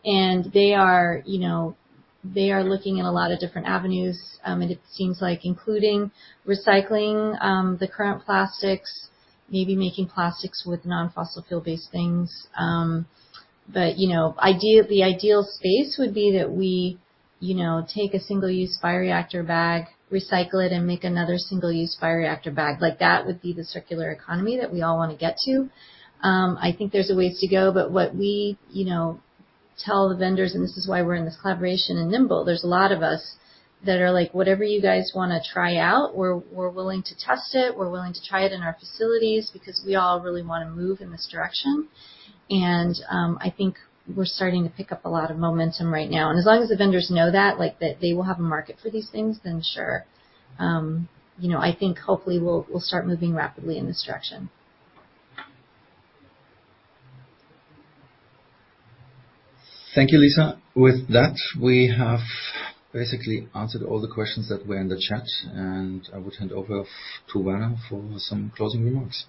and they are, you know, they are looking at a lot of different avenues. It seems like including recycling, the current plastics, maybe making plastics with non-fossil fuel-based things. You know, the ideal space would be that we, you know, take a single-use bioreactor bag, recycle it, and make another single-use bioreactor bag. Like, that would be the circular economy that we all want to get to. I think there's a ways to go, but what we, you know, tell the vendors, this is why we're in this collaboration in NIIMBL, there's a lot of us that are like: "Whatever you guys wanna try out, we're willing to test it. We're willing to try it in our facilities, because we all really wanna move in this direction." I think we're starting to pick up a lot of momentum right now. As long as the vendors know that, like, that they will have a market for these things, then sure, you know, I think hopefully we'll start moving rapidly in this direction. Thank you, Lisa. With that, we have basically answered all the questions that were in the chat. I would hand over to Werner for some closing remarks.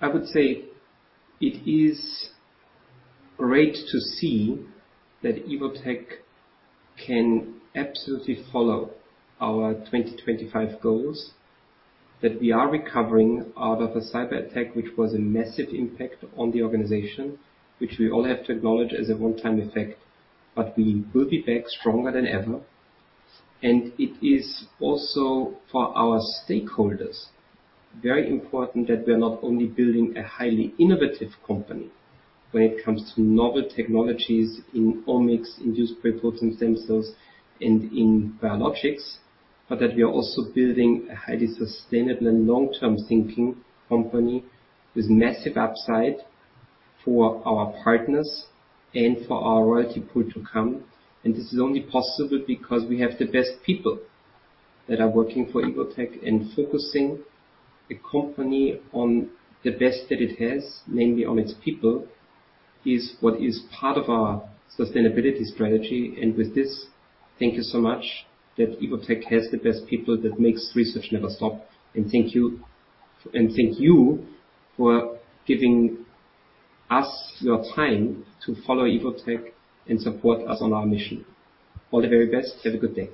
I would say it is great to see that Evotec can absolutely follow our 2025 goals, that we are recovering out of a cyberattack, which was a massive impact on the organization, which we all have to acknowledge as a one-time effect, but we will be back stronger than ever. It is also for our stakeholders, very important that we are not only building a highly innovative company when it comes to novel technologies in omics, induced pluripotent stem cells, and in biologics, but that we are also building a highly sustainable and long-term thinking company with massive upside for our partners and for our royalty pool to come. This is only possible because we have the best people that are working for Evotec and focusing the company on the best that it has, namely on its people, is what is part of our sustainability strategy. With this, thank you so much, that Evotec has the best people that makes research never stop. Thank you, and thank you for giving us your time to follow Evotec and support us on our mission. All the very best. Have a good day.